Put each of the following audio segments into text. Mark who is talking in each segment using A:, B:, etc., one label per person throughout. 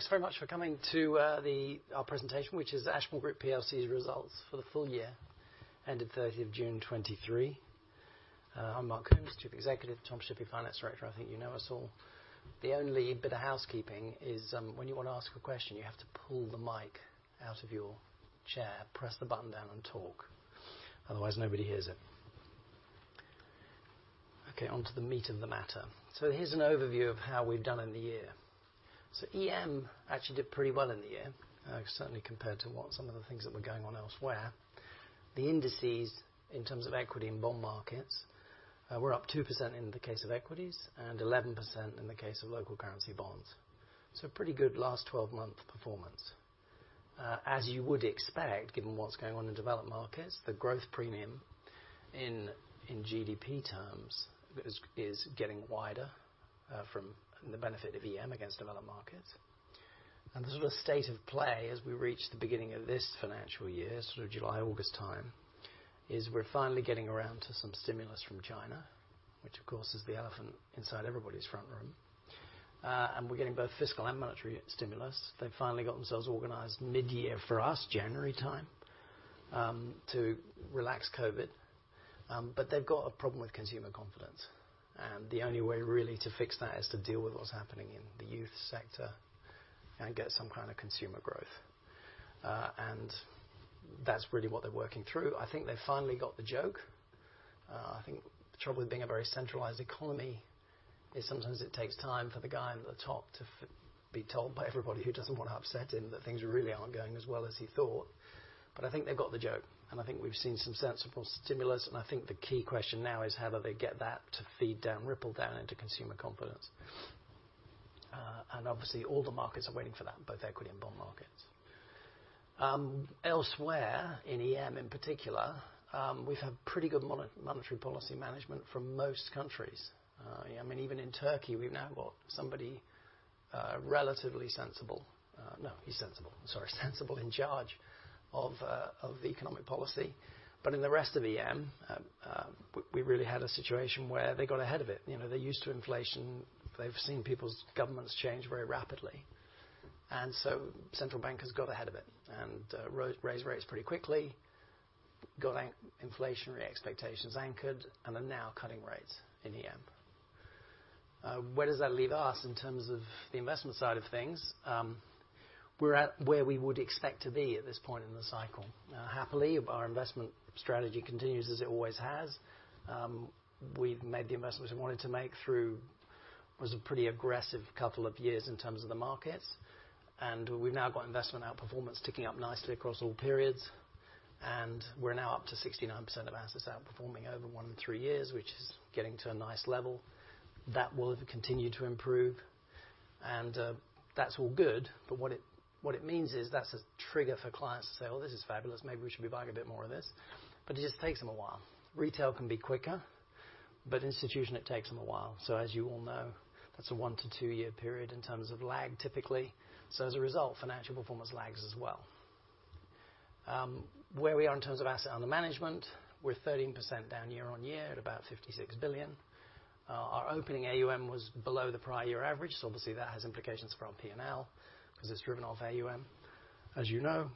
A: Thanks very much for coming to our presentation, which is the Ashmore Group plc's results for the full year, ending 30th of June, 2023. I'm Mark Coombs, Chief Executive, Tom Shippey, Finance Director. I think you know us all. The only bit of housekeeping is, when you want to ask a question, you have to pull the mic out of your chair, press the button down, and talk, otherwise, nobody hears it. Okay, onto the meat of the matter. So here's an overview of how we've done in the year. So EM actually did pretty well in the year, certainly compared to what some of the things that were going on elsewhere. The indices, in terms of equity and bond markets, were up 2% in the case of Equities and 11% in the case of Local Currency bonds, so pretty good last 12-month performance. As you would expect, given what's going on in developed markets, the growth premium in GDP terms is getting wider, from the benefit of EM against developed markets. And the sort of state of play as we reach the beginning of this financial year, sort of July, August time, is we're finally getting around to some stimulus from China, which, of course, is the elephant inside everybody's front room. And we're getting both fiscal and monetary stimulus. They've finally got themselves organized mid-year, for us, January time, to relax COVID. But they've got a problem with consumer confidence, and the only way really to fix that is to deal with what's happening in the youth sector and get some kind of consumer growth. And that's really what they're working through. I think they finally got the joke. I think the trouble with being a very centralized economy is sometimes it takes time for the guy at the top to be told by everybody who doesn't want to upset him, that things really aren't going as well as he thought. But I think they've got the joke, and I think we've seen some sensible stimulus, and I think the key question now is how do they get that to feed down, ripple down into consumer confidence? And obviously, all the markets are waiting for that, both equity and bond markets. Elsewhere, in EM in particular, we've had pretty good monetary policy management from most countries. I mean, even in Turkey, we've now got somebody relatively sensible. No, he's sensible, sorry, sensible in charge of the economic policy. But in the rest of EM, we really had a situation where they got ahead of it. You know, they're used to inflation. They've seen people's governments change very rapidly, and so central bankers got ahead of it and raised rates pretty quickly, got inflationary expectations anchored, and are now cutting rates in EM. Where does that leave us in terms of the investment side of things? We're at where we would expect to be at this point in the cycle. Now, happily, our investment strategy continues as it always has. We've made the investments we wanted to make through a pretty aggressive couple of years in terms of the markets, and we've now got investment outperformance ticking up nicely across all periods, and we're now up to 69% of assets outperforming over 1 and 3 years, which is getting to a nice level. That will continue to improve, and that's all good, but what it, what it means is that's a trigger for clients to say, "Oh, this is fabulous. Maybe we should be buying a bit more of this." But it just takes them a while. Retail can be quicker, but institutional, it takes them a while. So as you all know, that's a one- to two-year period in terms of lag, typically. So as a result, financial performance lags as well. Where we are in terms of assets under management, we're 13% down year-on-year at about $56 billion. Our opening AUM was below the prior year average, so obviously, that has implications for our P&L because it's driven off AUM, as you know.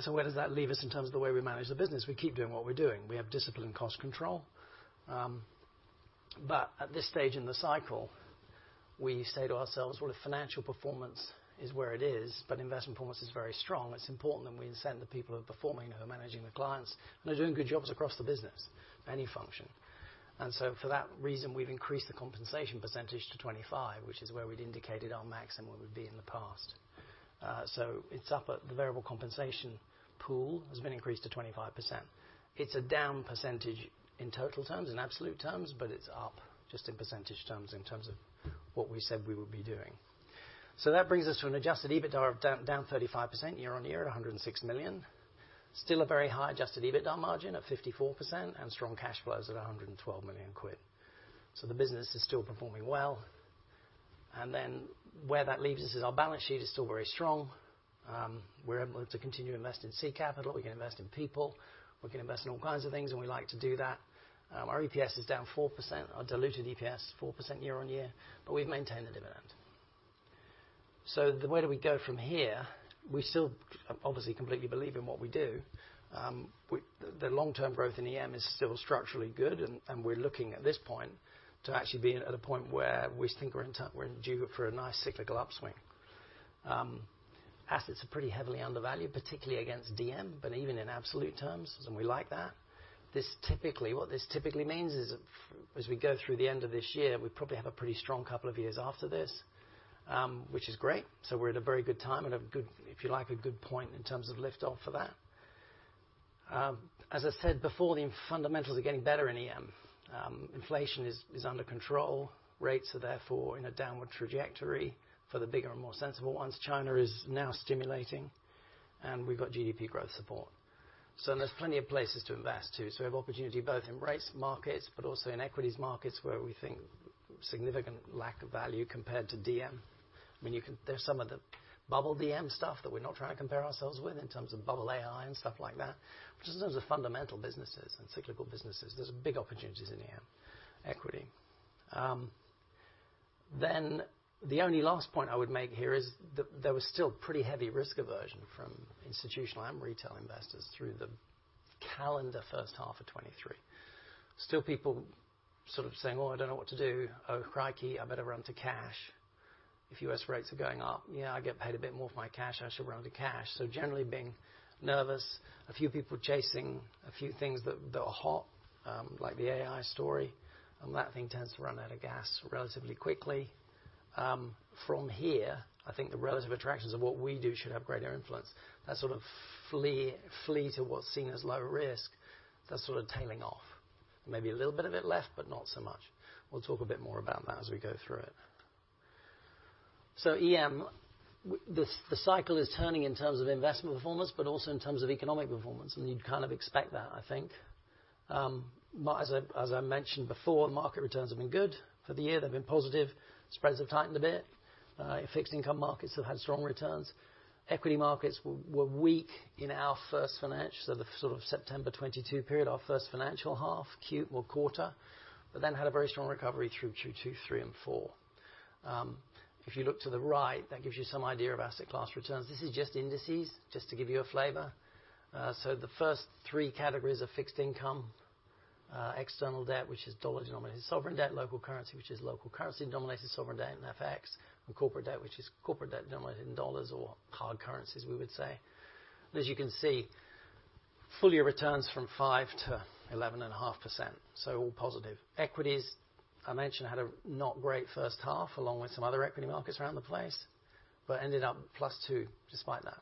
A: So where does that leave us in terms of the way we manage the business? We keep doing what we're doing. We have discipline and cost control. But at this stage in the cycle, we say to ourselves, well, the financial performance is where it is, but investment performance is very strong. It's important that we incent the people who are performing, who are managing the clients, and are doing good jobs across the business, any function. And so for that reason, we've increased the compensation percentage to 25%, which is where we'd indicated our maximum would be in the past. So it's up at, the variable compensation pool has been increased to 25%. It's a down percentage in total terms, in absolute terms, but it's up just in percentage terms in terms of what we said we would be doing. So that brings us to an Adjusted EBITDA of down, down 35% year-on-year, 106 million. Still a very high Adjusted EBITDA margin of 54% and strong cash flows at 112 million quid. So the business is still performing well, and then where that leaves us is our balance sheet is still very strong. We're able to continue to invest in seed capital. We can invest in people. We can invest in all kinds of things, and we like to do that. Our EPS is down 4%, our diluted EPS, 4% year-on-year, but we've maintained the dividend. So the way that we go from here, we still obviously completely believe in what we do. We, the long-term growth in EM is still structurally good, and we're looking at this point to actually being at a point where we think we're due for a nice cyclical upswing. Assets are pretty heavily undervalued, particularly against DM, but even in absolute terms, and we like that. What this typically means is, as we go through the end of this year, we probably have a pretty strong couple of years after this, which is great. So we're at a very good time and a good, if you like, a good point in terms of lift off for that. As I said before, the fundamentals are getting better in EM. Inflation is under control. Rates are therefore in a downward trajectory for the bigger and more sensible ones. China is now stimulating, and we've got GDP growth support. So there's plenty of places to invest, too. So we have opportunity both in rates markets, but also in Equities markets, where we think significant lack of value compared to DM. I mean, you can... There's some of the bubble DM stuff that we're not trying to compare ourselves with in terms of bubble AI and stuff like that. But in terms of fundamental businesses and cyclical businesses, there's big opportunities in EM... equity. Then the only last point I would make here is that there was still pretty heavy risk aversion from institutional and retail investors through the calendar first half of 2023. Still people sort of saying, "Oh, I don't know what to do. Oh, crikey, I better run to cash. If U.S. Rates are going up, yeah, I get paid a bit more of my cash, I should run to cash. So generally being nervous, a few people chasing a few things that were hot, like the AI story, and that thing tends to run out of gas relatively quickly. From here, I think the relative attractions of what we do should have greater influence. That sort of flee to what's seen as low risk, that's sort of tailing off. Maybe a little bit of it left, but not so much. We'll talk a bit more about that as we go through it. So EM, the cycle is turning in terms of investment performance, but also in terms of economic performance, and you'd kind of expect that, I think. But as I mentioned before, market returns have been good. For the year, they've been positive. Spreads have tightened a bit. Fixed income markets have had strong returns. Equity markets were weak in our first financial, so the sort of September 2022 period, our first financial half, Q or quarter, but then had a very strong recovery through Q2, Q3, and Q4. If you look to the right, that gives you some idea of asset class returns. This is just indices, just to give you a flavor. So the first three categories are fixed income, external debt, which is dollar-denominated sovereign debt, Local Currency, which is Local Currency-denominated sovereign debt and FX, and Corporate Debt, which is Corporate Debt denominated in dollars or hard currencies, we would say. As you can see, full year returns from 5%-11.5%, so all positive. Equities, I mentioned, had a not great first half, along with some other equity markets around the place, but ended up +2 despite that.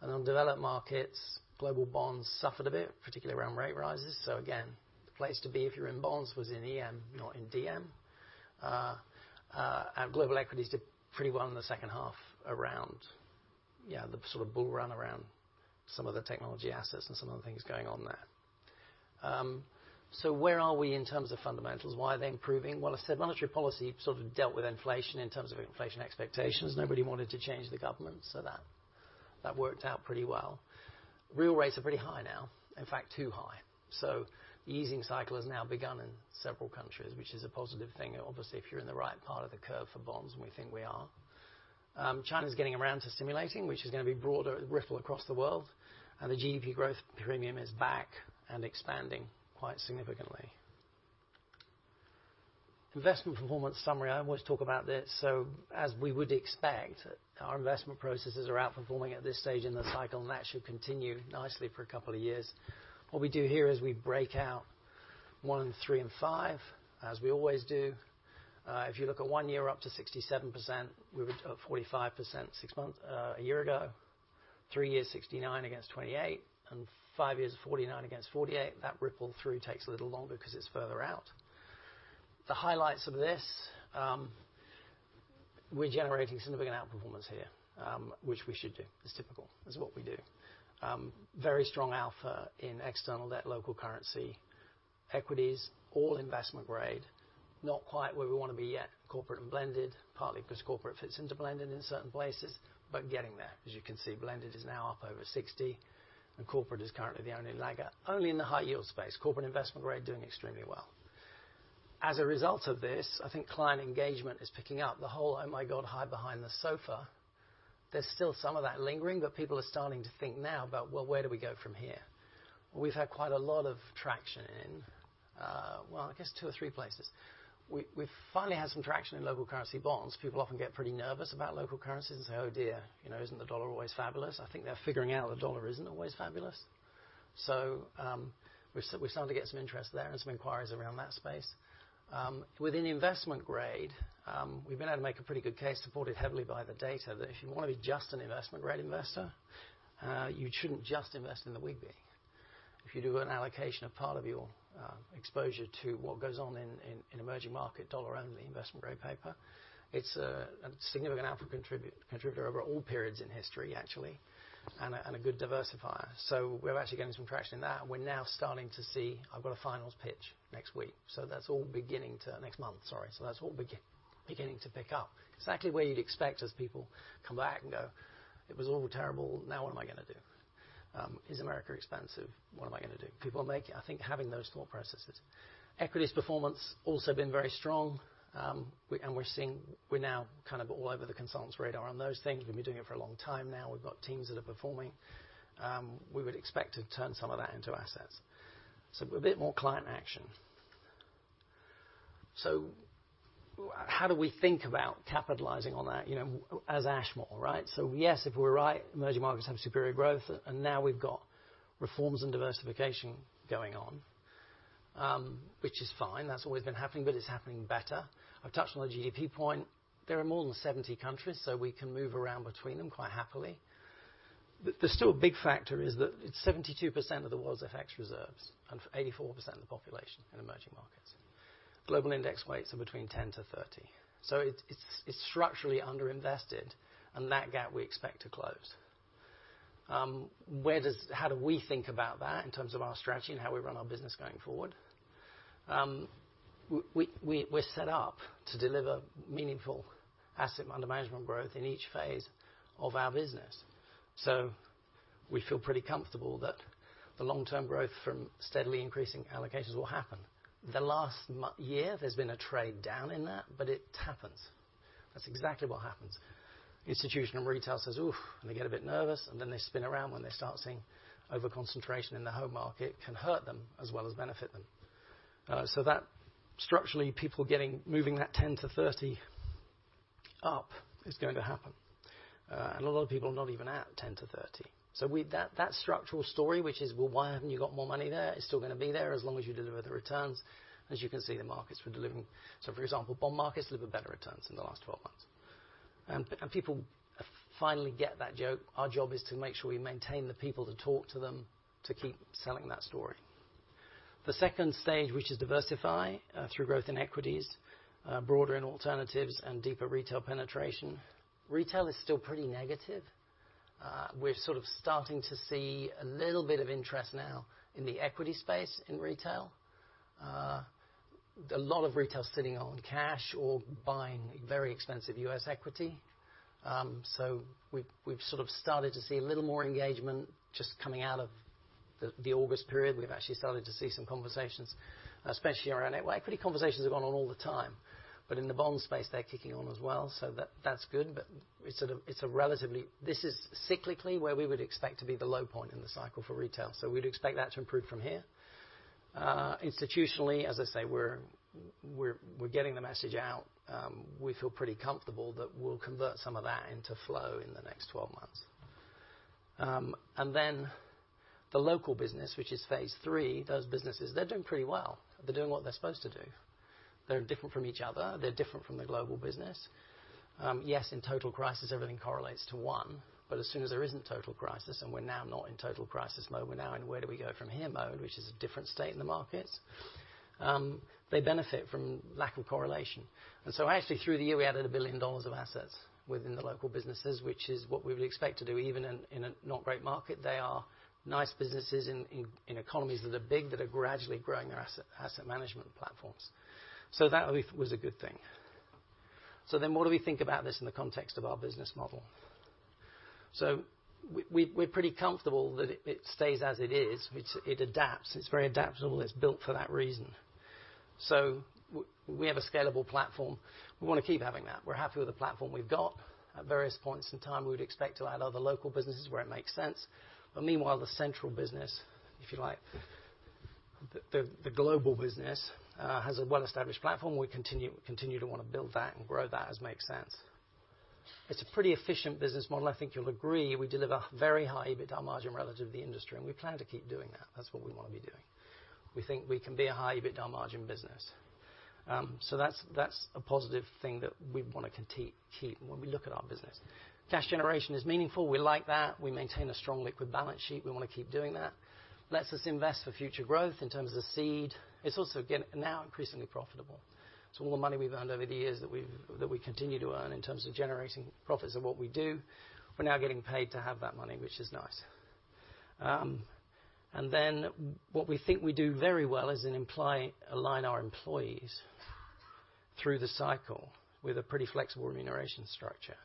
A: And on developed markets, global bonds suffered a bit, particularly around rate rises. So again, the place to be if you're in bonds was in EM, not in DM. And global Equities did pretty well in the second half around, yeah, the sort of bull run around some of the technology assets and some other things going on there. So where are we in terms of fundamentals? Why are they improving? Well, I said monetary policy sort of dealt with inflation in terms of inflation expectations. Nobody wanted to change the government, so that, that worked out pretty well. Real rates are pretty high now, in fact, too high. So the easing cycle has now begun in several countries, which is a positive thing, obviously, if you're in the right part of the curve for bonds, and we think we are. China's getting around to stimulating, which is going to be broader ripple across the world, and the GDP growth premium is back and expanding quite significantly. Investment performance summary, I always talk about this, so as we would expect, our investment processes are outperforming at this stage in the cycle, and that should continue nicely for a couple of years. What we do here is we break out one, three, and five, as we always do. If you look at one year up to 67%, we were up 45%, six months, a year ago. Three years, 69 against 28, and five years, 49 against 48. That ripple through takes a little longer because it's further out. The highlights of this, we're generating significant outperformance here, which we should do. It's typical. It's what we do. Very strong alpha in External Debt, Local Currency, Equities, all investment grade, not quite where we want to be yet, Corporate and Blended, partly because Corporate fits into Blended in certain places, but getting there. As you can see, Blended is now up over 60, and Corporate is currently the only lagger. Only in the high yield space. Corporate investment grade, doing extremely well. As a result of this, I think client engagement is picking up. The whole, "Oh, my God, hide behind the sofa," there's still some of that lingering, but people are starting to think now about, Well, where do we go from here? We've had quite a lot of traction in, well, I guess two or three places. We've finally had some traction in Local Currency bonds. People often get pretty nervous about local currencies and say: Oh, dear, you know, isn't the U.S. dollar always fabulous? I think they're figuring out the U.S. dollar isn't always fabulous. So, we're starting to get some interest there and some inquiries around that space. Within investment grade, we've been able to make a pretty good case, supported heavily by the data, that if you want to be just an investment grade investor, you shouldn't just invest in the WGBI. If you do an allocation of part of your exposure to what goes on in emerging market, dollar-only investment grade paper, it's a significant alpha contributor over all periods in history, actually, and a good diversifier. So we're actually getting some traction in that, and we're now starting to see... I've got a finals pitch next week, so that's all beginning to next month, sorry. So that's all beginning to pick up. Exactly where you'd expect as people come back and go, "It was all terrible. Now what am I going to do? Is America expensive? What am I going to do?" People are making, I think, having those thought processes. Equities performance also been very strong, and we're seeing we're now kind of all over the consultants' radar on those things. We've been doing it for a long time now. We've got teams that are performing. We would expect to turn some of that into assets. So a bit more client action. So how do we think about capitalizing on that, you know, as Ashmore, right? So yes, if we're right, emerging markets have superior growth, and now we've got reforms and diversification going on. Which is fine. That's always been happening, but it's happening better. I've touched on the GDP point. There are more than 70 countries, so we can move around between them quite happily. But there's still a big factor is that it's 72% of the world's FX reserves and 84% of the population in emerging markets. Global index weights are between 10-30, so it's structurally underinvested, and that gap we expect to close. Where does, how do we think about that in terms of our strategy and how we run our business going forward? We’re set up to deliver meaningful assets under management growth in each phase of our business. We feel pretty comfortable that the long-term growth from steadily increasing allocations will happen. The last year, there’s been a trade down in that, but it happens. That’s exactly what happens. Institutional retail says, “Oof,” and they get a bit nervous, and then they spin around when they start seeing overconcentration in the home market can hurt them as well as benefit them. So that structurally, people getting moving that 10-30 up is going to happen. And a lot of people are not even at 10-30. So we that structural story, which is, well, why haven't you got more money there? Is still gonna be there as long as you deliver the returns. As you can see, the markets we're delivering. So for example, bond markets deliver better returns in the last 12 months. And people finally get that joke. Our job is to make sure we maintain the people to talk to them, to keep selling that story. The second stage, which is diversify through growth in Equities, broader in Alternatives and deeper retail penetration. Retail is still pretty negative. We're sort of starting to see a little bit of interest now in the equity space in retail. A lot of retail is sitting on cash or buying very expensive U.S. equity. So we've sort of started to see a little more engagement just coming out of the August period. We've actually started to see some conversations, especially around equity. Conversations are going on all the time, but in the bond space, they're kicking on as well. So that's good, but it's sort of a relatively... This is cyclically where we would expect to be the low point in the cycle for retail, so we'd expect that to improve from here. Institutionally, as I say, we're getting the message out. We feel pretty comfortable that we'll convert some of that into flow in the next 12 months. And then the local business, which is phase three, those businesses, they're doing pretty well. They're doing what they're supposed to do. They're different from each other. They're different from the global business. Yes, in total crisis, everything correlates to one, but as soon as there isn't total crisis, and we're now not in total crisis mode, we're now in where do we go from here mode, which is a different state in the markets, they benefit from lack of correlation. And so actually, through the year, we added $1 billion of assets within the local businesses, which is what we would expect to do, even in a not great market. They are nice businesses in economies that are big, that are gradually growing their asset management platforms. So that was a good thing. So then what do we think about this in the context of our business model? So we're pretty comfortable that it stays as it is. It adapts, it's very adaptable, it's built for that reason. So we have a scalable platform. We want to keep having that. We're happy with the platform we've got. At various points in time, we'd expect to add other local businesses where it makes sense. But meanwhile, the central business, if you like, the global business has a well-established platform. We continue to want to build that and grow that as makes sense. It's a pretty efficient business model. I think you'll agree, we deliver very high EBITDA margin relative to the industry, and we plan to keep doing that. That's what we want to be doing. We think we can be a high EBITDA margin business. So that's a positive thing that we want to keep when we look at our business. Cash generation is meaningful. We like that. We maintain a strong liquid balance sheet. We want to keep doing that. Let's us invest for future growth in terms of seed. It's also getting now increasingly profitable. So all the money we've earned over the years that we've, that we continue to earn in terms of generating profits of what we do, we're now getting paid to have that money, which is nice. And then what we think we do very well is align our employees through the cycle with a pretty flexible remuneration structure.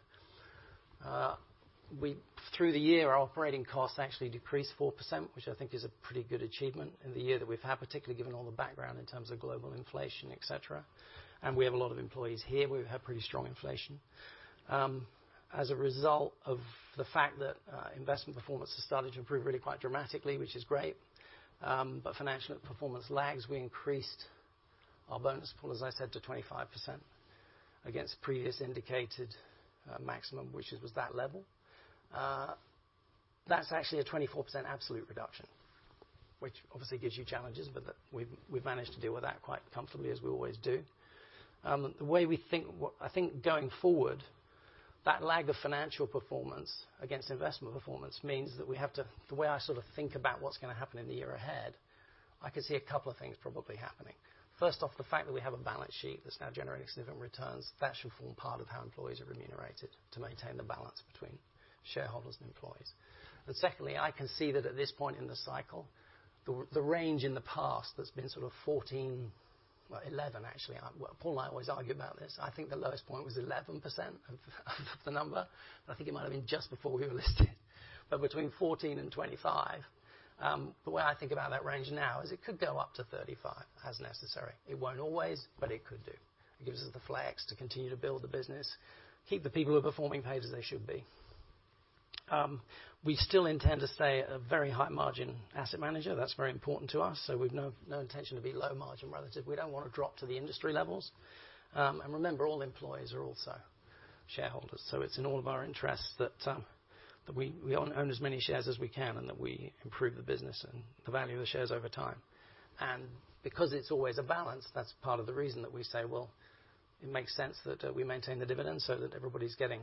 A: Through the year, our operating costs actually decreased 4%, which I think is a pretty good achievement in the year that we've had, particularly given all the background in terms of global inflation, et cetera. And we have a lot of employees here. We've had pretty strong inflation. As a result of the fact that, investment performance has started to improve really quite dramatically, which is great, but financial performance lags, we increased our bonus pool, as I said, to 25% against previous indicated, maximum, which was that level. That's actually a 24% absolute reduction, which obviously gives you challenges, but we've, we've managed to deal with that quite comfortably, as we always do. The way we think, I think going forward, that lag of financial performance against investment performance means that we have to... The way I sort of think about what's going to happen in the year ahead, I can see a couple of things probably happening. First off, the fact that we have a balance sheet that's now generating significant returns, that should form part of how employees are remunerated to maintain the balance between shareholders and employees. But secondly, I can see that at this point in the cycle, the range in the past that's been sort of 14, well, 11, actually. Well, Paul and I always argue about this. I think the lowest point was 11% of the number, but I think it might have been just before we were listed. But between 14% and 25%, the way I think about that range now is it could go up to 35% as necessary. It won't always, but it could do. It gives us the flex to continue to build the business, keep the people who are performing paid as they should be. We still intend to stay a very high-margin asset manager. That's very important to us, so we've no intention to be low margin relative. We don't want to drop to the industry levels. And remember, all employees are also shareholders, so it's in all of our interests that we own as many shares as we can, and that we improve the business and the value of the shares over time. And because it's always a balance, that's part of the reason that we say, well, it makes sense that we maintain the dividend so that everybody's getting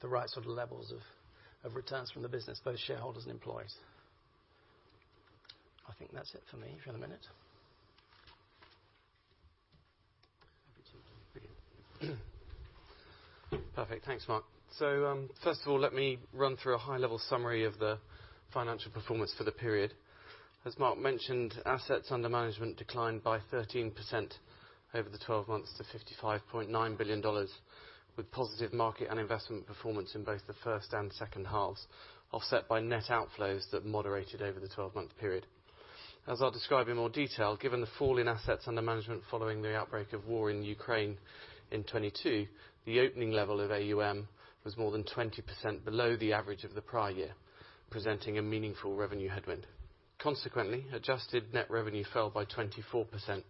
A: the right sort of levels of returns from the business, both shareholders and employees. I think that's it for me for the minute.
B: Happy to begin. Perfect. Thanks, Mark. First of all, let me run through a high-level summary of the financial performance for the period. As Mark mentioned, assets under management declined by 13% over the 12 months to $55.9 billion, with positive market and investment performance in both the first and second halves, offset by net outflows that moderated over the 12-month period. As I'll describe in more detail, given the fall in assets under management following the outbreak of war in Ukraine in 2022, the opening level of AUM was more than 20% below the average of the prior year, presenting a meaningful revenue headwind. Consequently, adjusted net revenue fell by 24%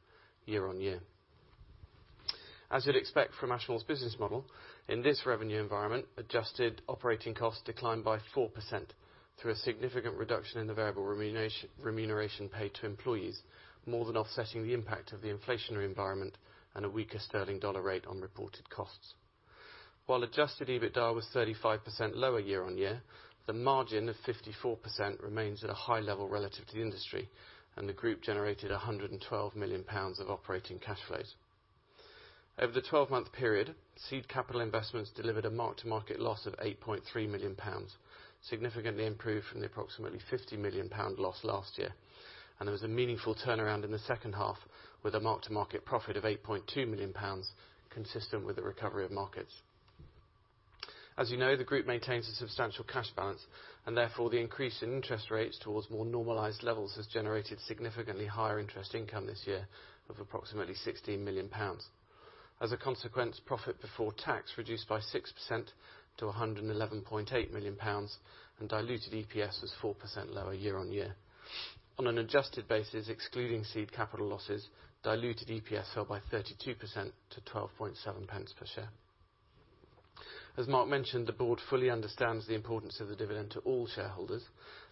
B: year-on-year. As you'd expect from Ashmore's business model, in this revenue environment, adjusted operating costs declined by 4% through a significant reduction in the variable remuneration paid to employees, more than offsetting the impact of the inflationary environment and a weaker sterling dollar rate on reported costs. While Adjusted EBITDA was 35% lower year-on-year, the margin of 54% remains at a high level relative to the industry, and the group generated 112 million pounds of operating cash flow. Over the 12-month period, seed capital investments delivered a mark-to-market loss of 8.3 million pounds, significantly improved from the approximately 50 million pound loss last year. There was a meaningful turnaround in the second half, with a mark-to-market profit of 8.2 million pounds, consistent with the recovery of markets. As you know, the group maintains a substantial cash balance, and therefore, the increase in interest rates towards more normalized levels has generated significantly higher interest income this year of approximately GBP 16 million. As a consequence, profit before tax reduced by 6% to 111.8 million pounds, and diluted EPS was 4% lower year-on-year. On an adjusted basis, excluding seed capital losses, diluted EPS fell by 32% to 12.7 pence per share. As Mark mentioned, the board fully understands the importance of the dividend to all shareholders,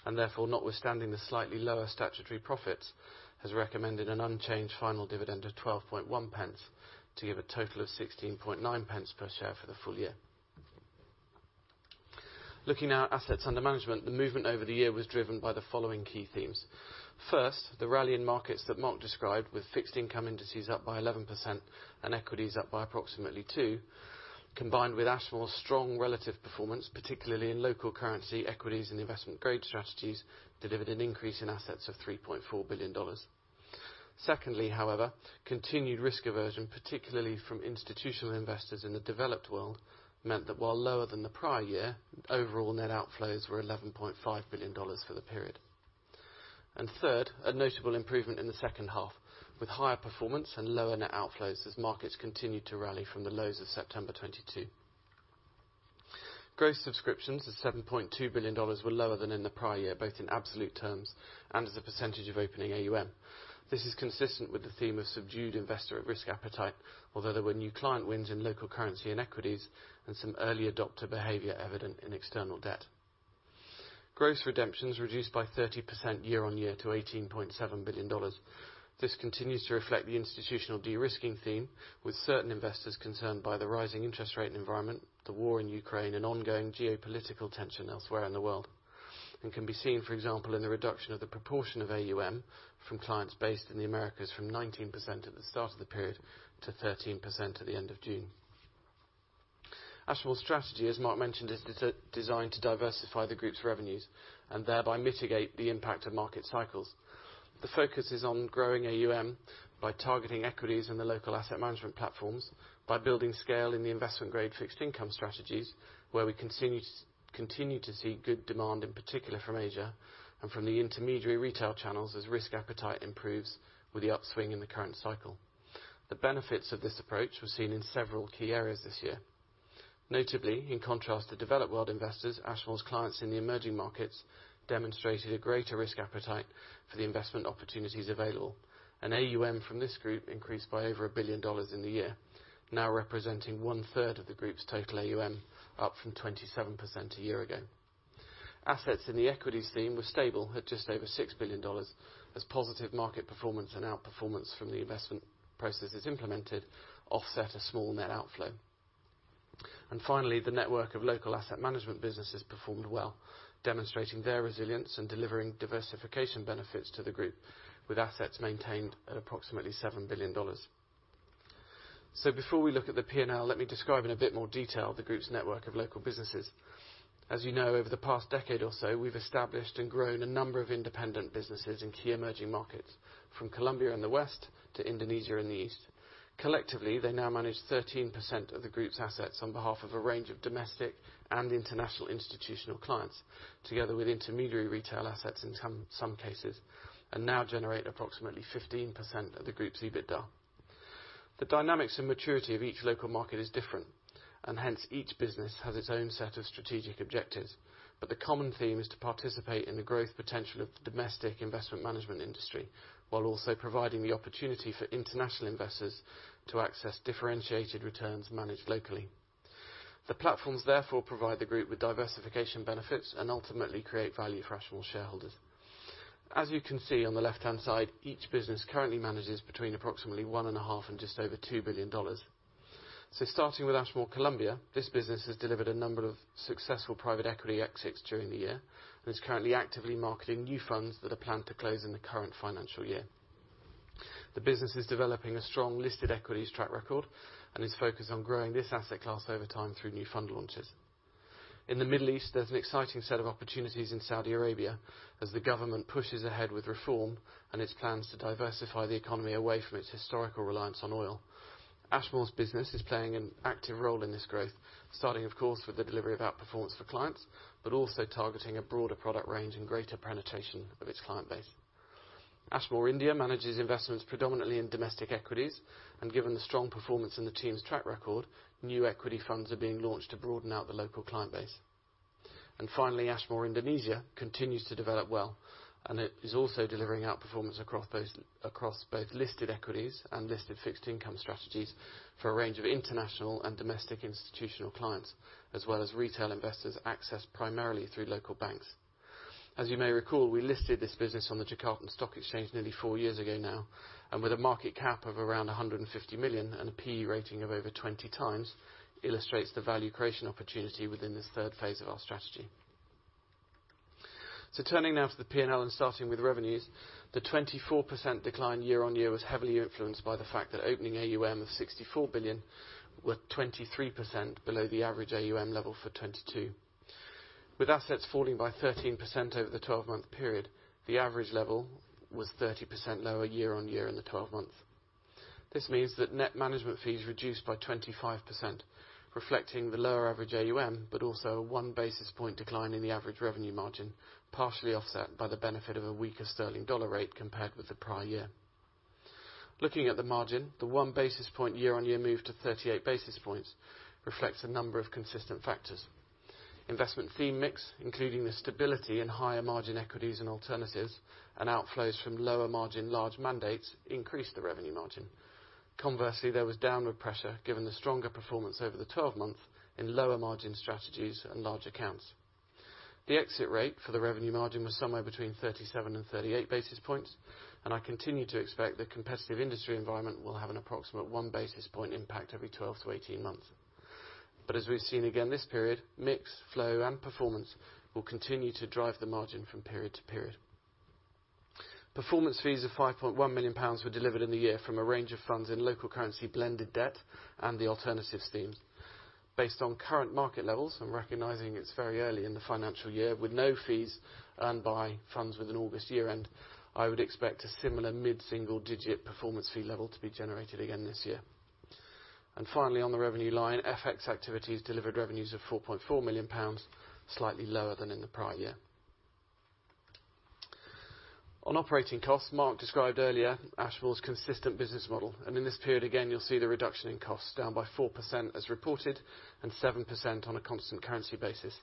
B: and therefore, notwithstanding the slightly lower statutory profits, has recommended an unchanged final dividend of 12.1 pence to give a total of 16.9 pence per share for the full year. Looking now at assets under management, the movement over the year was driven by the following key themes: First, the rally in markets that Mark described, with fixed income indices up by 11% and Equities up by approximately 2%, combined with Ashmore's strong relative performance, particularly in Local Currency, Equities, and investment-grade strategies, delivered an increase in assets of $3.4 billion. Secondly, however, continued risk aversion, particularly from institutional investors in the developed world, meant that while lower than the prior year, overall net outflows were $11.5 billion for the period. And third, a notable improvement in the second half, with higher performance and lower net outflows as markets continued to rally from the lows of September 2022. Gross subscriptions of $7.2 billion were lower than in the prior year, both in absolute terms and as a percentage of opening AUM. This is consistent with the theme of subdued investor at-risk appetite, although there were new client wins in Local Currency and Equities and some early adopter behavior evident in external debt. Gross redemptions reduced by 30% year-on-year to $18.7 billion. This continues to reflect the institutional de-risking theme, with certain investors concerned by the rising interest rate environment, the war in Ukraine, and ongoing geopolitical tension elsewhere in the world, and can be seen, for example, in the reduction of the proportion of AUM from clients based in the Americas, from 19% at the start of the period to 13% at the end of June. Ashmore's strategy, as Mark mentioned, is designed to diversify the group's revenues and thereby mitigate the impact of market cycles. The focus is on growing AUM by targeting Equities in the local asset management platforms, by building scale in the investment-grade fixed income strategies, where we continue to see good demand, in particular from Asia and from the intermediary retail channels as risk appetite improves with the upswing in the current cycle. The benefits of this approach were seen in several key areas this year. Notably, in contrast to developed world investors, Ashmore's clients in the emerging markets demonstrated a greater risk appetite for the investment opportunities available. AUM from this group increased by over $1+ billion in the year, now representing one-third of the group's total AUM, up from 27% a year ago. Assets in the Equities theme were stable at just over $6 billion, as positive market performance and outperformance from the investment processes implemented offset a small net outflow. Finally, the network of local asset management businesses performed well, demonstrating their resilience and delivering diversification benefits to the group, with assets maintained at approximately $7 billion. Before we look at the P&L, let me describe in a bit more detail the group's network of local businesses. As you know, over the past decade or so, we've established and grown a number of independent businesses in key emerging markets, from Colombia in the west to Indonesia in the east. Collectively, they now manage 13% of the group's assets on behalf of a range of domestic and international institutional clients, together with intermediary retail assets in some cases, and now generate approximately 15% of the group's EBITDA. The dynamics and maturity of each local market is different, and hence each business has its own set of strategic objectives. But the common theme is to participate in the growth potential of the domestic investment management industry, while also providing the opportunity for international investors to access differentiated returns managed locally. The platforms therefore provide the group with diversification benefits and ultimately create value for Ashmore shareholders. As you can see on the left-hand side, each business currently manages between approximately $1.5 billion and just over $2 billion. So starting with Ashmore Colombia, this business has delivered a number of successful private equity exits during the year and is currently actively marketing new funds that are planned to close in the current financial year. The business is developing a strong listed Equities track record, and is focused on growing this asset class over time through new fund launches. In the Middle East, there's an exciting set of opportunities in Saudi Arabia as the government pushes ahead with reform and its plans to diversify the economy away from its historical reliance on oil. Ashmore's business is playing an active role in this growth, starting, of course, with the delivery of outperformance for clients, but also targeting a broader product range and greater penetration of its client base. Ashmore India manages investments predominantly in domestic Equities, and given the strong performance and the team's track record, new equity funds are being launched to broaden out the local client base. And finally, Ashmore Indonesia continues to develop well, and it is also delivering outperformance across both, across both listed Equities and listed fixed income strategies for a range of international and domestic institutional clients, as well as retail investors, accessed primarily through local banks. As you may recall, we listed this business on the Jakarta Stock Exchange nearly four years ago now, and with a market cap of around $150 million and a PE rating of over 20x, illustrates the value creation opportunity within this third phase of our strategy. So turning now to the P&L and starting with revenues, the 24% decline year-on-year was heavily influenced by the fact that opening AUM of $64 billion were 23% below the average AUM level for 2022. With assets falling by 13% over the 12-month period, the average level was 30% lower year-on-year in the 12 months. This means that net management fees reduced by 25%, reflecting the lower average AUM, but also a 1 basis point decline in the average revenue margin, partially offset by the benefit of a weaker sterling dollar rate compared with the prior year. Looking at the margin, the 1 basis point year-on-year move to 38 basis points reflects a number of consistent factors. Investment theme mix, including the stability in higher margin Equities and Alternatives, and outflows from lower margin large mandates increased the revenue margin. Conversely, there was downward pressure, given the stronger performance over the 12 months in lower margin strategies and large accounts. The exit rate for the revenue margin was somewhere between 37 and 38 basis points, and I continue to expect the competitive industry environment will have an approximate 1 basis point impact every 12-18 months. But as we've seen again this period, mix, flow, and performance will continue to drive the margin from period to period. Performance fees of 5.1 million pounds were delivered in the year from a range of funds in Local Currency Blended Debt and the Alternatives themes. Based on current market levels, and recognizing it's very early in the financial year, with no fees earned by funds with an August year-end, I would expect a similar mid-single digit performance fee level to be generated again this year. Finally, on the revenue line, FX activities delivered revenues of 4.4 million pounds, slightly lower than in the prior year. On operating costs, Mark described earlier Ashmore's consistent business model, and in this period, again, you'll see the reduction in costs, down by 4% as reported, and 7% on a constant currency basis,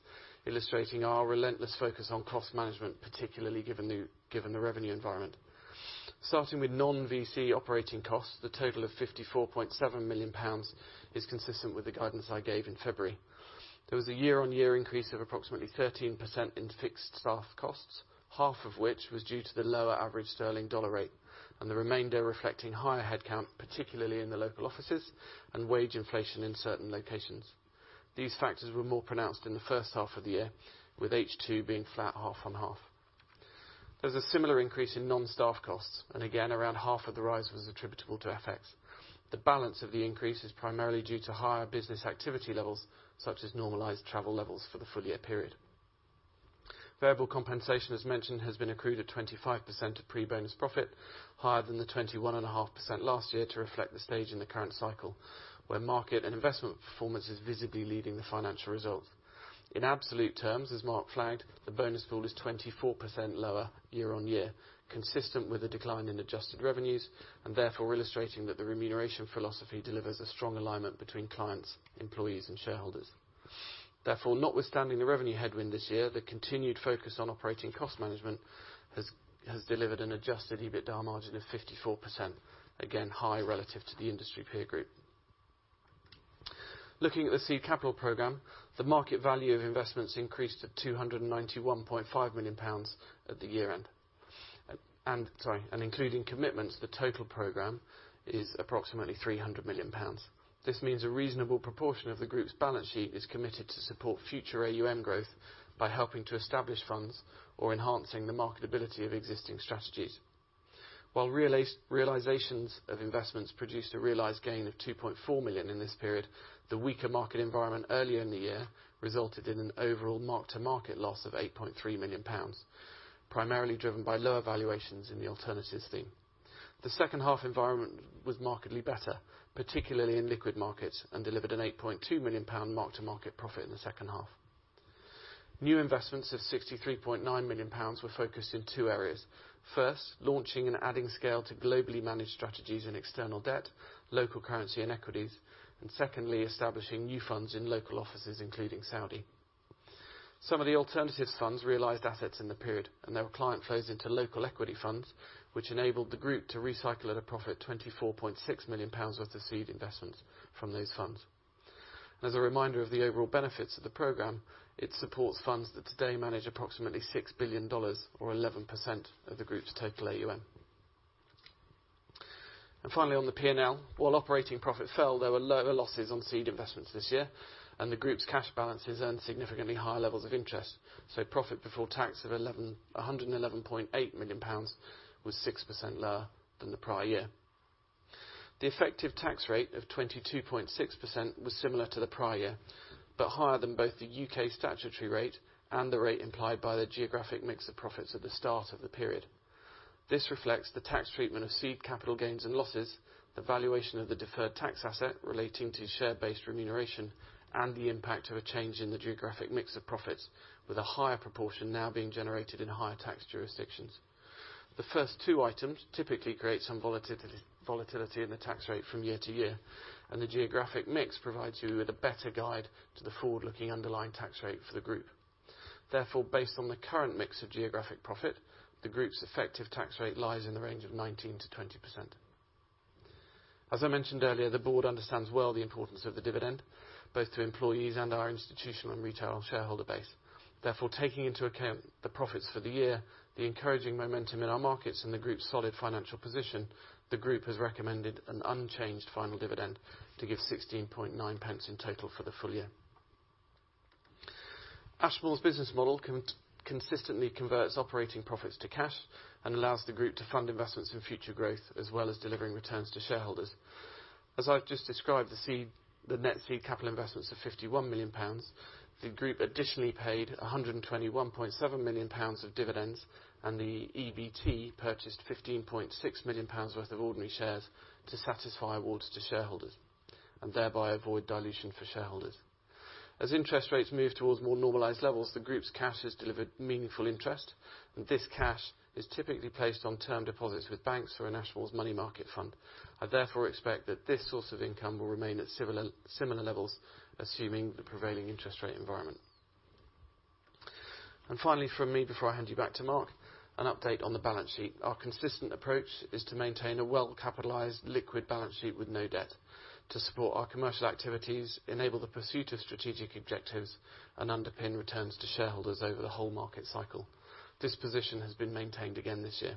B: illustrating our relentless focus on cost management, particularly given the revenue environment. Starting with non-VC operating costs, the total of 54.7 million pounds is consistent with the guidance I gave in February. There was a year-on-year increase of approximately 13% in fixed staff costs, half of which was due to the lower average sterling dollar rate, and the remainder reflecting higher headcount, particularly in the local offices, and wage inflation in certain locations. These factors were more pronounced in the first half of the year, with H2 being flat half on half. There was a similar increase in non-staff costs, and again, around half of the rise was attributable to FX. The balance of the increase is primarily due to higher business activity levels, such as normalized travel levels for the full year period. Variable compensation, as mentioned, has been accrued at 25% of pre-bonus profit, higher than the 21.5% last year to reflect the stage in the current cycle, where market and investment performance is visibly leading the financial results. In absolute terms, as Mark flagged, the bonus pool is 24% lower year-on-year, consistent with a decline in adjusted revenues, and therefore illustrating that the remuneration philosophy delivers a strong alignment between clients, employees, and shareholders. Therefore, notwithstanding the revenue headwind this year, the continued focus on operating cost management has delivered an Adjusted EBITDA margin of 54%, again, high relative to the industry peer group. Looking at the seed capital program, the market value of investments increased to 291.5 million pounds at the year-end. Including commitments, the total program is approximately 300 million pounds. This means a reasonable proportion of the group's balance sheet is committed to support future AUM growth by helping to establish funds or enhancing the marketability of existing strategies. While realizations of investments produced a realized gain of 2.4 million in this period, the weaker market environment earlier in the year resulted in an overall mark-to-market loss of 8.3 million pounds, primarily driven by lower valuations in the Alternatives theme. The second half environment was markedly better, particularly in liquid markets, and delivered a 8.2 million pound mark-to-market profit in the second half. New investments of 63.9 million pounds were focused in two areas. First, launching and adding scale to globally managed strategies in External Debt, Local Currency and Equities, and secondly, establishing new funds in local offices, including Saudi. Some of the Alternatives funds realized assets in the period, and there were client flows into local equity funds, which enabled the group to recycle at a profit 24.6 million pounds worth of seed investments from those funds. As a reminder of the overall benefits of the program, it supports funds that today manage approximately $6 billion or 11% of the group's total AUM. And finally, on the P&L, while operating profit fell, there were lower losses on seed investments this year, and the group's cash balances earned significantly higher levels of interest. So profit before tax of 111.8 million pounds was 6% lower than the prior year. The effective tax rate of 22.6% was similar to the prior year, but higher than both the U.K. statutory rate and the rate implied by the geographic mix of profits at the start of the period. This reflects the tax treatment of seed capital gains and losses, the valuation of the deferred tax asset relating to share-based remuneration, and the impact of a change in the geographic mix of profits, with a higher proportion now being generated in higher tax jurisdictions. The first two items typically create some volatility, volatility in the tax rate from year to year, and the geographic mix provides you with a better guide to the forward-looking underlying tax rate for the group. Therefore, based on the current mix of geographic profit, the group's effective tax rate lies in the range of 19%-20%. As I mentioned earlier, the board understands well the importance of the dividend, both to employees and our institutional and retail shareholder base. Therefore, taking into account the profits for the year, the encouraging momentum in our markets and the group's solid financial position, the group has recommended an unchanged final dividend to give 16.9 pence in total for the full year. Ashmore's business model consistently converts operating profits to cash and allows the group to fund investments in future growth, as well as delivering returns to shareholders. As I've just described, the net seed capital investments of 51 million pounds, the group additionally paid 121.7 million pounds of dividends, and the EBT purchased 15.6 million pounds worth of ordinary shares to satisfy awards to shareholders, and thereby avoid dilution for shareholders. As interest rates move towards more normalized levels, the group's cash has delivered meaningful interest, and this cash is typically placed on term deposits with banks or in Ashmore money market fund. I therefore expect that this source of income will remain at similar levels, assuming the prevailing interest rate environment. And finally, from me, before I hand you back to Mark, an update on the balance sheet. Our consistent approach is to maintain a well-capitalized, liquid balance sheet with no debt to support our commercial activities, enable the pursuit of strategic objectives, and underpin returns to shareholders over the whole market cycle. This position has been maintained again this year.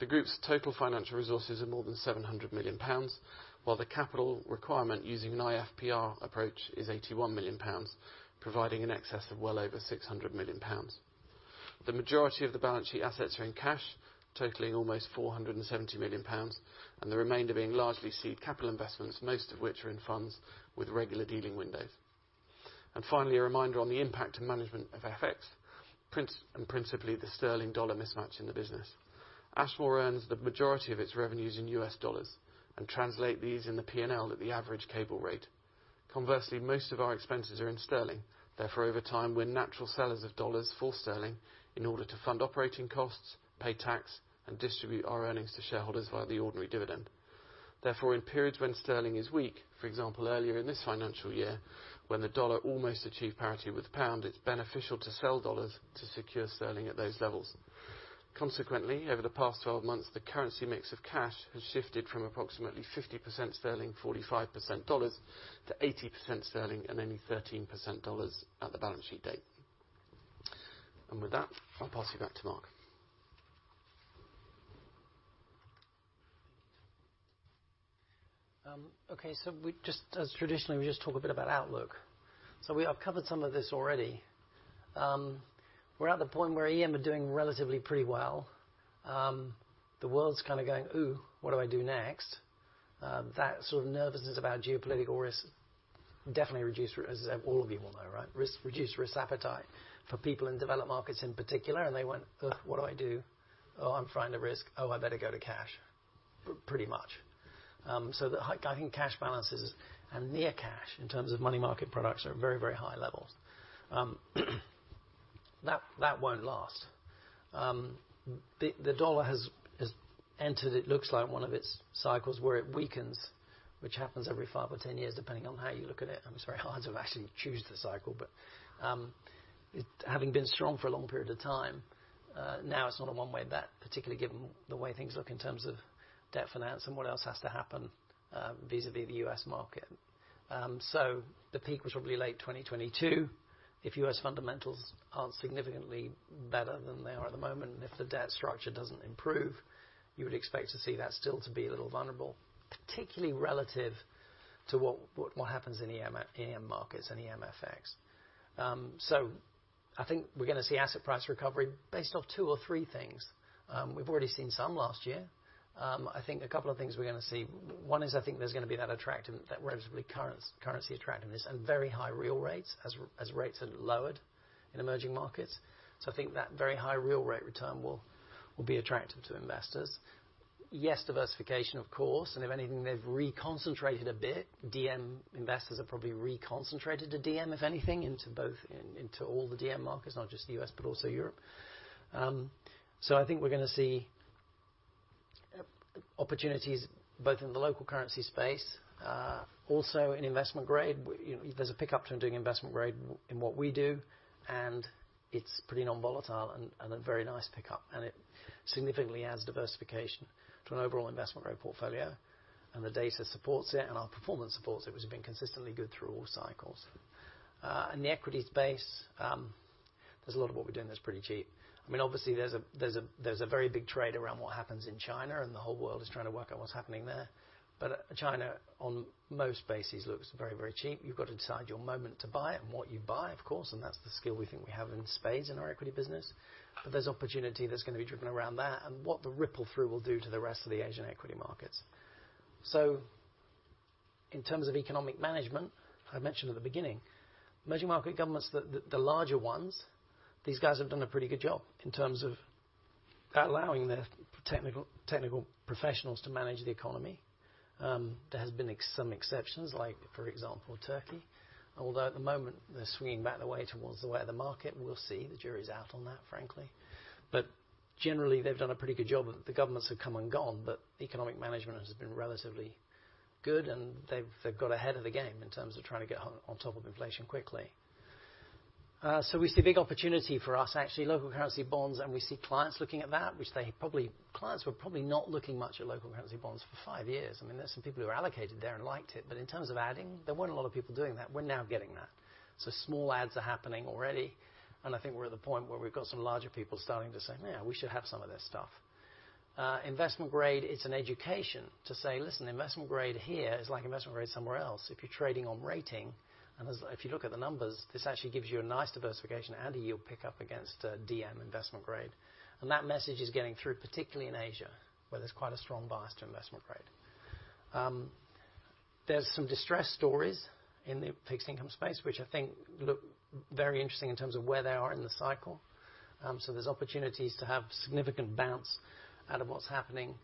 B: The group's total financial resources are more than 700 million pounds, while the capital requirement, using an IFPR approach, is 81 million pounds, providing in excess of well over 600 million pounds. The majority of the balance sheet assets are in cash, totaling almost 470 million pounds, and the remainder being largely seed capital investments, most of which are in funds with regular dealing windows. Finally, a reminder on the impact and management of FX, principally, the sterling-dollar mismatch in the business. Ashmore earns the majority of its revenues in U.S. dollars and translate these in the P&L at the average cable rate. Conversely, most of our expenses are in sterling. Therefore, over time, we're natural sellers of dollars for sterling in order to fund operating costs, pay tax, and distribute our earnings to shareholders via the ordinary dividend. Therefore, in periods when sterling is weak, for example, earlier in this financial year, when the dollar almost achieved parity with the pound, it's beneficial to sell dollars to secure sterling at those levels. Consequently, over the past 12 months, the currency mix of cash has shifted from approximately 50% sterling, 45% dollars to 80% sterling and only 13% dollars at the balance sheet date. With that, I'll pass you back to Mark.
A: Okay, so as traditionally, we just talk a bit about outlook. So we've covered some of this already. We're at the point where EM are doing relatively pretty well. The world's kind of going, "Ooh, what do I do next?" That sort of nervousness about geopolitical risk definitely reduced, as all of you will know, right? Risk, reduced risk appetite for people in developed markets in particular, and they went, "Ugh, what do I do? Oh, I'm frightened of risk. Oh, I better go to cash." Pretty much. So I think cash balances and near cash, in terms of money market products, are at very, very high levels. That won't last. The dollar has entered, it looks like, one of its cycles where it weakens, which happens every 5 or 10 years, depending on how you look at it. It's very hard to actually choose the cycle, but it having been strong for a long period of time, now it's not a one-way bet, particularly given the way things look in terms of debt finance and what else has to happen, vis-à-vis the U.S. market. So the peak was probably late 2022. If U.S. fundamentals aren't significantly better than they are at the moment, and if the debt structure doesn't improve, you would expect to see that still to be a little vulnerable, particularly relative to what happens in the EM markets and EMFX. So I think we're going to see asset price recovery based off two or three things. We've already seen some last year. I think a couple of things we're going to see. One is, I think there's going to be that attractant, that relatively currency attractiveness and very high real rates as rates are lowered in emerging markets. So I think that very high real rate return will be attractive to investors. Yes, diversification, of course, and if anything, they've reconcentrated a bit. DM investors have probably reconcentrated to DM, if anything, into all the DM markets, not just the U.S., but also Europe. So I think we're going to see opportunities both in the Local Currency space, also in Investment Grade. You know, there's a pickup from doing investment grade in what we do, and it's pretty non-volatile and a very nice pickup, and it significantly adds diversification to an overall investment grade portfolio. And the data supports it, and our performance supports it, which has been consistently good through all cycles. In the Equities space, there's a lot of what we're doing that's pretty cheap. I mean, obviously, there's a very big trade around what happens in China, and the whole world is trying to work out what's happening there. But China, on most bases, looks very, very cheap. You've got to decide your moment to buy it and what you buy, of course, and that's the skill we think we have in spades in our equity business. But there's opportunity that's going to be driven around that and what the ripple through will do to the rest of the Asian equity markets. So in terms of economic management, I mentioned at the beginning, emerging market governments, the larger ones, these guys have done a pretty good job in terms of allowing their technical professionals to manage the economy. There has been some exceptions, like, for example, Turkey, although at the moment, they're swinging back their way towards the way of the market. We'll see. The jury is out on that, frankly. But generally, they've done a pretty good job of it. The governments have come and gone, but economic management has been relatively good, and they've got ahead of the game in terms of trying to get on top of inflation quickly. So we see big opportunity for us, actually, Local Currency bonds, and we see clients looking at that, which they probably... Clients were probably not looking much at Local Currency bonds for five years. I mean, there are some people who are allocated there and liked it, but in terms of adding, there weren't a lot of people doing that. We're now getting that. So small adds are happening already, and I think we're at the point where we've got some larger people starting to say, "Yeah, we should have some of this stuff." Investment grade, it's an education to say, "Listen, investment grade here is like investment grade somewhere else." If you're trading on rating, and if you look at the numbers, this actually gives you a nice diversification and a yield pickup against DM investment grade. That message is getting through, particularly in Asia, where there's quite a strong bias to Investment Grade. There's some distressed stories in the fixed income space, which I think look very interesting in terms of where they are in the cycle. So there's opportunities to have significant bounce out of what's happening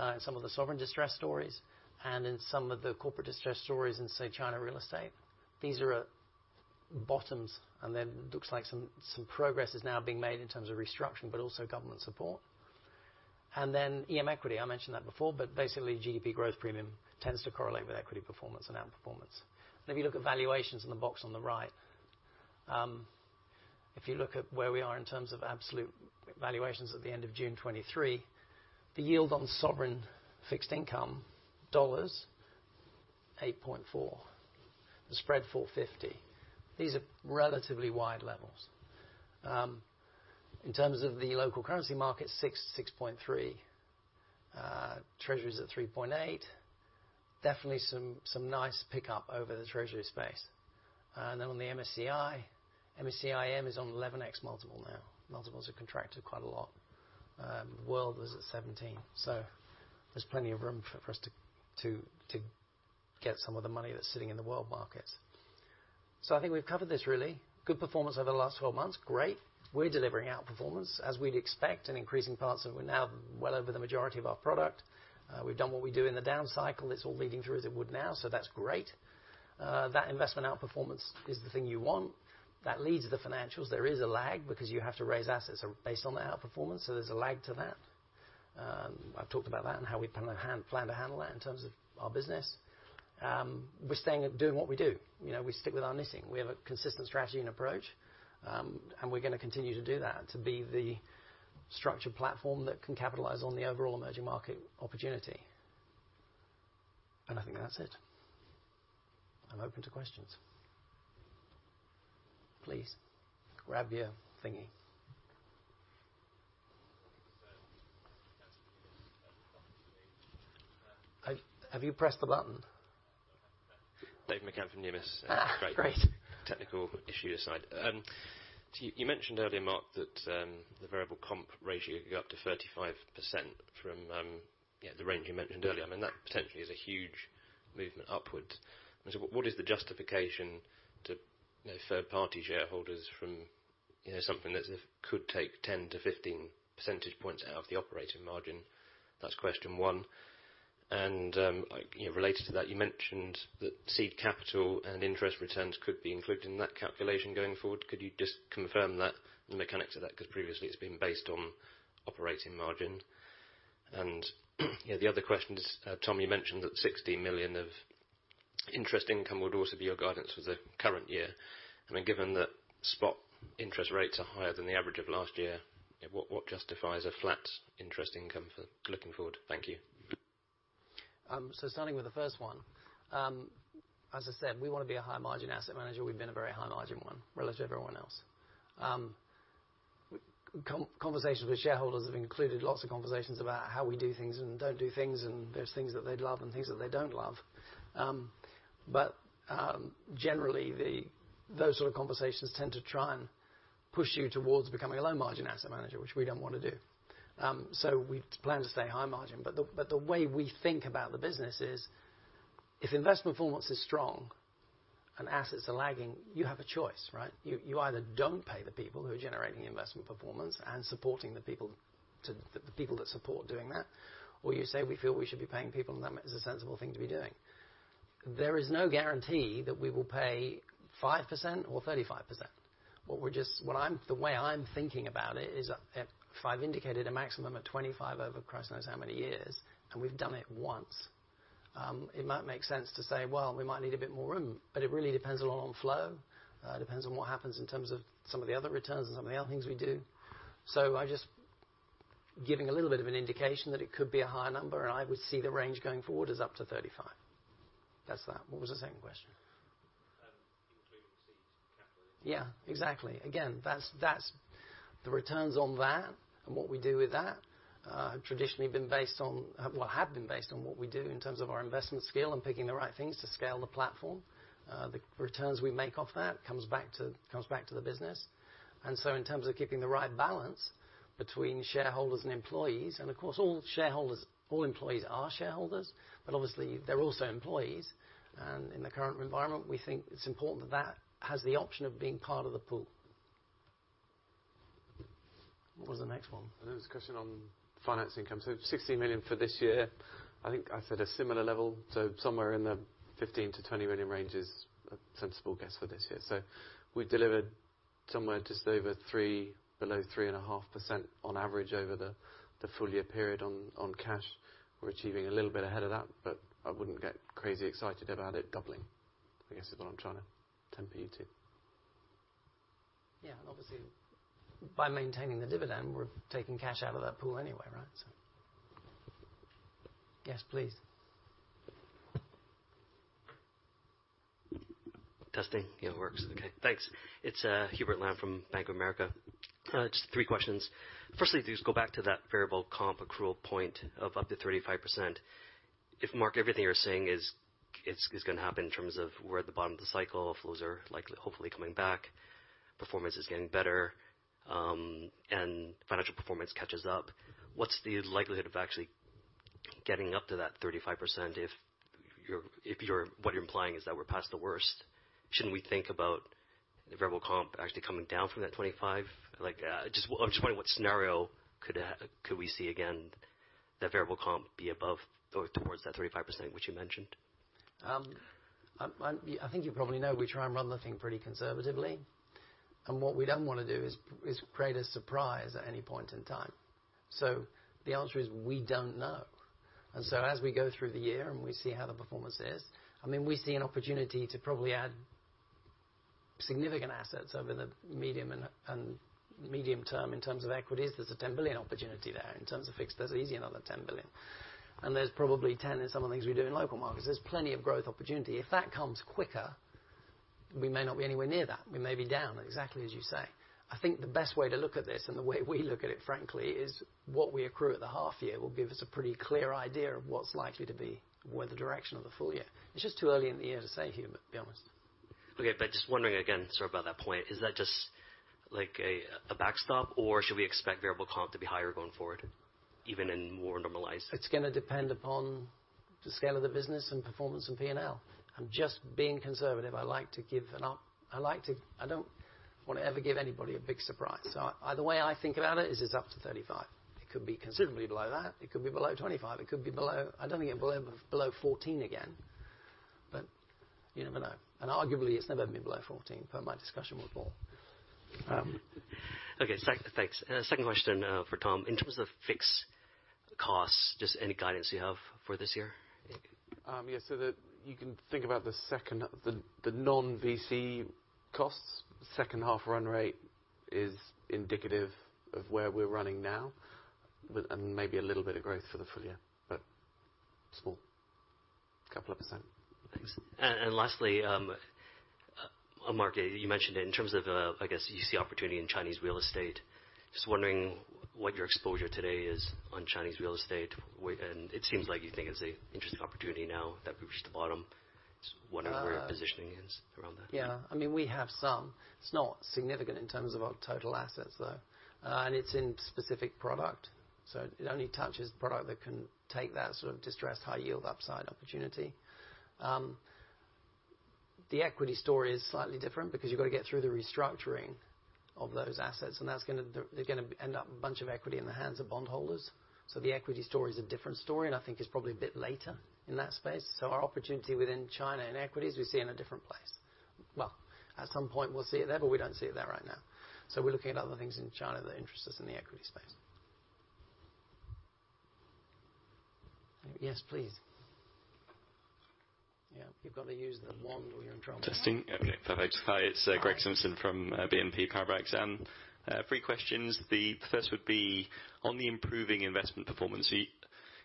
A: in some of the sovereign distress stories and in some of the corporate distress stories in, say, China real estate. These are at bottoms, and then it looks like some progress is now being made in terms of restructuring, but also government support. And then EM equity, I mentioned that before, but basically, GDP growth premium tends to correlate with equity performance and outperformance. If you look at valuations in the box on the right, if you look at where we are in terms of absolute valuations at the end of June 2023, the yield on sovereign fixed income dollars, 8.4, the spread, 450. These are relatively wide levels. In terms of the Local Currency market, 6, 6.3. Treasury is at 3.8. Definitely some, some nice pickup over the Treasury space. And then on the MSCI, MSCI EM is on 11x multiple now. Multiples have contracted quite a lot. World was at 17, so there's plenty of room for, for us to, to, to get some of the money that's sitting in the world markets. So I think we've covered this really. Good performance over the last 12 months, great. We're delivering outperformance as we'd expect, in increasing parts, and we're now well over the majority of our product. We've done what we do in the down cycle. It's all leading through as it would now, so that's great. That investment outperformance is the thing you want. That leads to the financials. There is a lag because you have to raise assets are based on the outperformance, so there's a lag to that. I've talked about that and how we plan to handle that in terms of our business. We're staying at doing what we do. You know, we stick with our mission. We have a consistent strategy and approach, and we're going to continue to do that to be the structured platform that can capitalize on the overall emerging market opportunity. And I think that's it. I'm open to questions. Have you pressed the button?
C: David McCann from Deutsche Numis.
A: Great.
C: Technical issue aside, so you mentioned earlier, Mark, that the variable comp ratio could go up to 35% from yeah, the range you mentioned earlier. I mean, that potentially is a huge movement upwards. I mean, so what is the justification to, you know, third-party shareholders from, you know, something that could take 10-15 percentage points out of the operating margin? That's question one. And, like, you know, related to that, you mentioned that seed capital and interest returns could be included in that calculation going forward. Could you just confirm that, the mechanics of that? Because previously, it's been based on operating margin. And, yeah, the other question is, Tom, you mentioned that 60 million of interest income would also be your guidance for the current year. I mean, given that spot interest rates are higher than the average of last year, what justifies a flat interest income for looking forward? Thank you.
A: So starting with the first one, as I said, we want to be a high-margin asset manager. We've been a very high-margin one relative to everyone else. Conversations with shareholders have included lots of conversations about how we do things and don't do things, and there's things that they'd love and things that they don't love. But generally, those sort of conversations tend to try and push you towards becoming a low-margin asset manager, which we don't want to do. So we plan to stay high margin, but the way we think about the business is, if investment performance is strong and assets are lagging, you have a choice, right? You either don't pay the people who are generating the investment performance and supporting the people to the people that support doing that, or you say, "We feel we should be paying people, and that is a sensible thing to be doing." There is no guarantee that we will pay 5% or 35%. The way I'm thinking about it is, if I've indicated a maximum of 25 over Christ knows how many years, and we've done it once, it might make sense to say, "Well, we might need a bit more room," but it really depends a lot on flow. It depends on what happens in terms of some of the other returns and some of the other things we do. So I just-... Giving a little bit of an indication that it could be a higher number, and I would see the range going forward as up to 35%. That's that. What was the second question? Yeah, exactly. Again, that's, that's the returns on that, and what we do with that, traditionally been based on, well, have been based on what we do in terms of our investment skill and picking the right things to scale the platform. The returns we make off that comes back to, comes back to the business. And so in terms of keeping the right balance between shareholders and employees, and of course, all shareholders, all employees are shareholders, but obviously they're also employees. And in the current environment, we think it's important that that has the option of being part of the pool. What was the next one?
B: There was a question on finance income. So 60 million for this year. I think I said a similar level, so somewhere in the 15 million-20 million range is a sensible guess for this year. So we delivered somewhere just over 3%, below 3.5% on average over the full year period on cash. We're achieving a little bit ahead of that, but I wouldn't get crazy excited about it doubling, I guess, is what I'm trying to temper you to.
A: Yeah, and obviously, by maintaining the dividend, we're taking cash out of that pool anyway, right? So... Yes, please.
D: Testing. Yeah, it works. Okay, thanks. It's, Hubert Lam from Bank of America. Just three questions. Firstly, just go back to that variable comp accrual point of up to 35%. If, Mark, everything you're saying is, is, is going to happen in terms of we're at the bottom of the cycle, flows are likely, hopefully coming back, performance is getting better, and financial performance catches up, what's the likelihood of actually getting up to that 35% if you're, if you're-- what you're implying is that we're past the worst? Shouldn't we think about the variable comp actually coming down from that 25? Like, just, I'm just wondering what scenario could, could we see again, that variable comp be above or towards that 35%, which you mentioned?
A: I think you probably know, we try and run the thing pretty conservatively, and what we don't want to do is create a surprise at any point in time. So the answer is, we don't know. And so as we go through the year and we see how the performance is, I mean, we see an opportunity to probably add significant assets over the medium and medium term. In terms of Equities, there's a $10 billion opportunity there. In terms of fixed, there's easy another $10 billion, and there's probably $10 billion in some of the things we do in local markets. There's plenty of growth opportunity. If that comes quicker, we may not be anywhere near that. We may be down, exactly as you say. I think the best way to look at this, and the way we look at it, frankly, is what we accrue at the half year will give us a pretty clear idea of what's likely to be where the direction of the full year. It's just too early in the year to say, Hubert, to be honest.
D: Okay, but just wondering again, sort of about that point, is that just like a, a backstop, or should we expect variable comp to be higher going forward, even in more normalized?
A: It's going to depend upon the scale of the business and performance and P&L. I'm just being conservative. I like to—I like to... I don't want to ever give anybody a big surprise. So the way I think about it is it's up to 35. It could be considerably below that. It could be below 25. It could be below... I don't think it'd be below, below 14 again, but you never know. And arguably, it's never been below 14, per my discussion with Paul.
D: Okay, thanks. Second question for Tom. In terms of fixed costs, just any guidance you have for this year?
B: Yes, so you can think about the second non-VC costs. Second half run rate is indicative of where we're running now, with maybe a little bit of growth for the full year, but small, couple of percent.
D: Thanks. And lastly, Mark, you mentioned in terms of, I guess you see opportunity in Chinese real estate. Just wondering what your exposure today is on Chinese real estate, where... And it seems like you think it's an interesting opportunity now that we've reached the bottom. Just wondering what your positioning is around that?
A: Yeah, I mean, we have some. It's not significant in terms of our total assets, though, and it's in specific product, so it only touches the product that can take that sort of distressed, high yield, upside opportunity. The equity story is slightly different because you've got to get through the restructuring of those assets, and that's gonna... They're gonna end up a bunch of equity in the hands of bondholders. So the equity story is a different story, and I think it's probably a bit later in that space. So our opportunity within China and Equities, we see in a different place. Well, at some point we'll see it there, but we don't see it there right now. So we're looking at other things in China that interest us in the equity space. Yes, please. Yeah, you've got to use the wand or you're in trouble.
E: Testing. Okay, perfect. Hi, it's Greg Simpson from BNP Paribas. Three questions. The first would be, on the improving investment performance,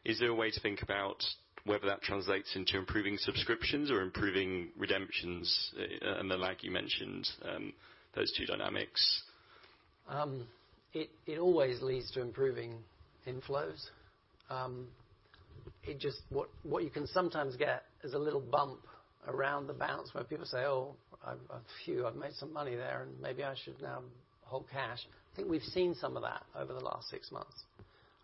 E: is there a way to think about whether that translates into improving subscriptions or improving redemptions? And the lag you mentioned, those two dynamics.
A: It always leads to improving inflows. It just... What you can sometimes get is a little bump around the bounce where people say, "Oh, I've phew, I've made some money there, and maybe I should now hold cash." I think we've seen some of that over the last six months.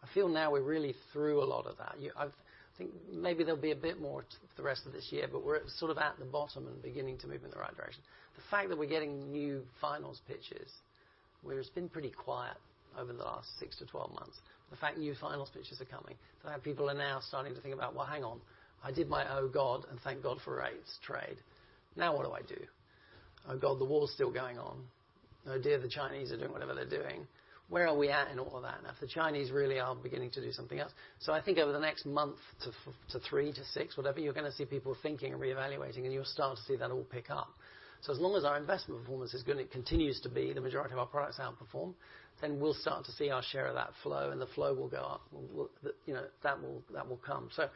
A: I feel now we're really through a lot of that. Yeah, I've, I think maybe there'll be a bit more to the rest of this year, but we're sort of at the bottom and beginning to move in the right direction. The fact that we're getting new finals pitches, where it's been pretty quiet over the last six to 12 months, the fact new finals pitches are coming, so people are now starting to think about: Well, hang on, I did my, Oh, God, and thank God for rates trade. Now what do I do? Oh, God, the war is still going on. No idea the Chinese are doing whatever they're doing. Where are we at in all of that? Now, if the Chinese really are beginning to do something else. So I think over the next month to three to six, whatever, you're going to see people thinking and reevaluating, and you'll start to see that all pick up. So as long as our investment performance is good, and it continues to be, the majority of our products outperform, then we'll start to see our share of that flow, and the flow will go up. You know, that will come. So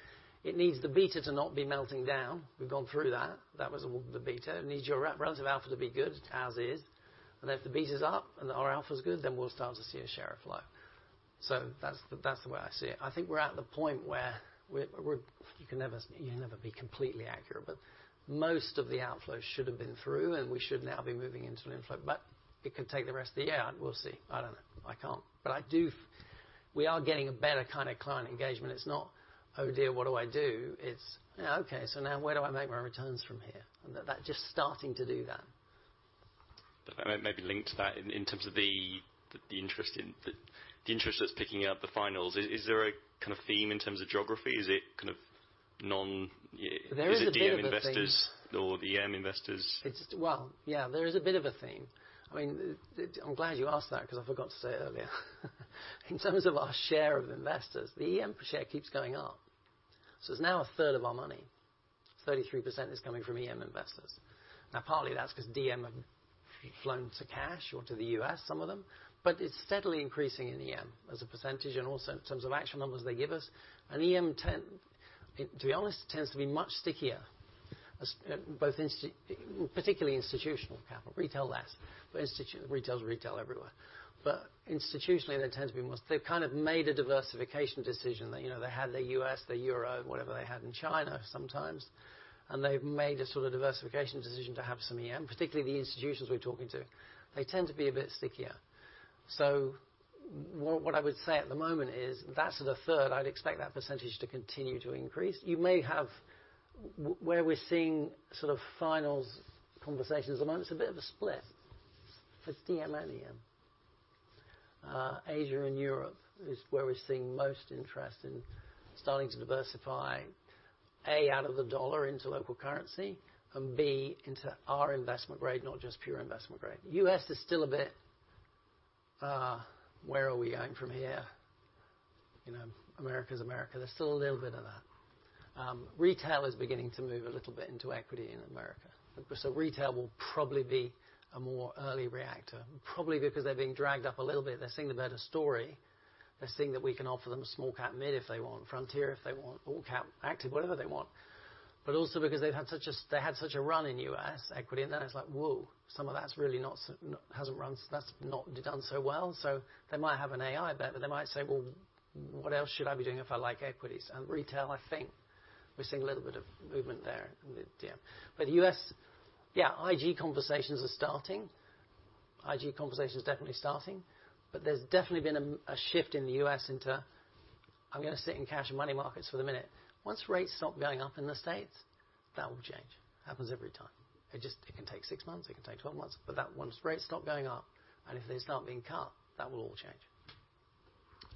A: it needs the beta to not be melting down. We've gone through that. That was all the beta. It needs your relative alpha to be good, as is. And if the beta is up and our alpha is good, then we'll start to see a share of flow. So that's the way I see it. I think we're at the point where we're. You can never be completely accurate, but most of the outflows should have been through, and we should now be moving into an inflow, but it could take the rest of the year, and we'll see. I don't know. I can't. But we are getting a better kind of client engagement. It's not, "Oh, dear, what do I do?" It's, "Okay, so now where do I make my returns from here?" And that just starting to do that.
E: But maybe linked to that, in terms of the interest that's picking up the finals, is there a kind of theme in terms of geography? Is it kind of non-
A: There is a bit of a theme.
E: Is it the EM investors or the EM investors?
A: Well, yeah, there is a bit of a theme. I mean, I'm glad you asked that because I forgot to say it earlier. In terms of our share of investors, the EM share keeps going up, so it's now a third of our money. 33% is coming from EM investors. Now, partly that's because DM have flown to cash or to the U.S., some of them, but it's steadily increasing in EM as a percentage and also in terms of actual numbers they give us. And EM tend, to be honest, tends to be much stickier, as well, particularly institutional capital. Retail, less. But retail is retail everywhere. But institutionally, there tends to be more. They've kind of made a diversification decision. They, you know, they had their U.S., their euro, whatever they had in China sometimes, and they've made a sort of diversification decision to have some EM, particularly the institutions we're talking to. They tend to be a bit stickier. So what I would say at the moment is that's at a third. I'd expect that percentage to continue to increase. You may have... Where we're seeing sort of final conversations at the moment, it's a bit of a split for DM and EM. Asia and Europe is where we're seeing most interest in starting to diversify, A, out of the dollar into local currency, and B, into our investment grade, not just pure investment grade. U.S. is still a bit, where are we going from here? You know, America is America. There's still a little bit of that. Retail is beginning to move a little bit into equity in America. So retail will probably be a more early reactor, probably because they're being dragged up a little bit. They're seeing a better story. They're seeing that we can offer them small cap mid, if they want, frontier, if they want, all cap, active, whatever they want. But also because they've had such a, they had such a run in U.S. equity, and then it's like, whoa, some of that's really not hasn't run. That's not done so well. So they might have an AI bet, but they might say, "Well, what else should I be doing if I like Equities?" And retail, I think we're seeing a little bit of movement there with EM. But the U.S., yeah, IG conversations are starting. IG conversation is definitely starting, but there's definitely been a shift in the U.S. into, "I'm going to sit in cash and money markets for the minute." Once rates stop going up in the States, that will change. Happens every time. It just, it can take six months, it can take 12 months, but that, once rates stop going up, and if they start being cut, that will all change.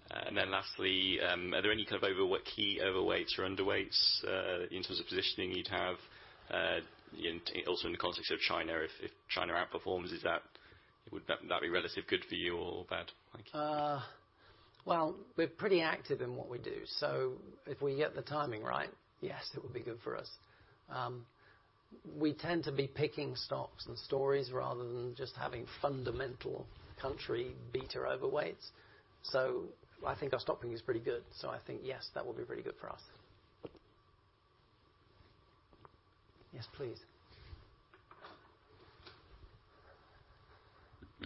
E: And then lastly, are there any kind of key overweights or underweights in terms of positioning you'd have, also in the context of China? If China outperforms, would that be relative good for you or bad? Thank you.
A: Well, we're pretty active in what we do, so if we get the timing right, yes, it would be good for us. We tend to be picking stocks and stories rather than just having fundamental country beta overweights. So I think our stock picking is pretty good. So I think, yes, that will be pretty good for us. Yes, please.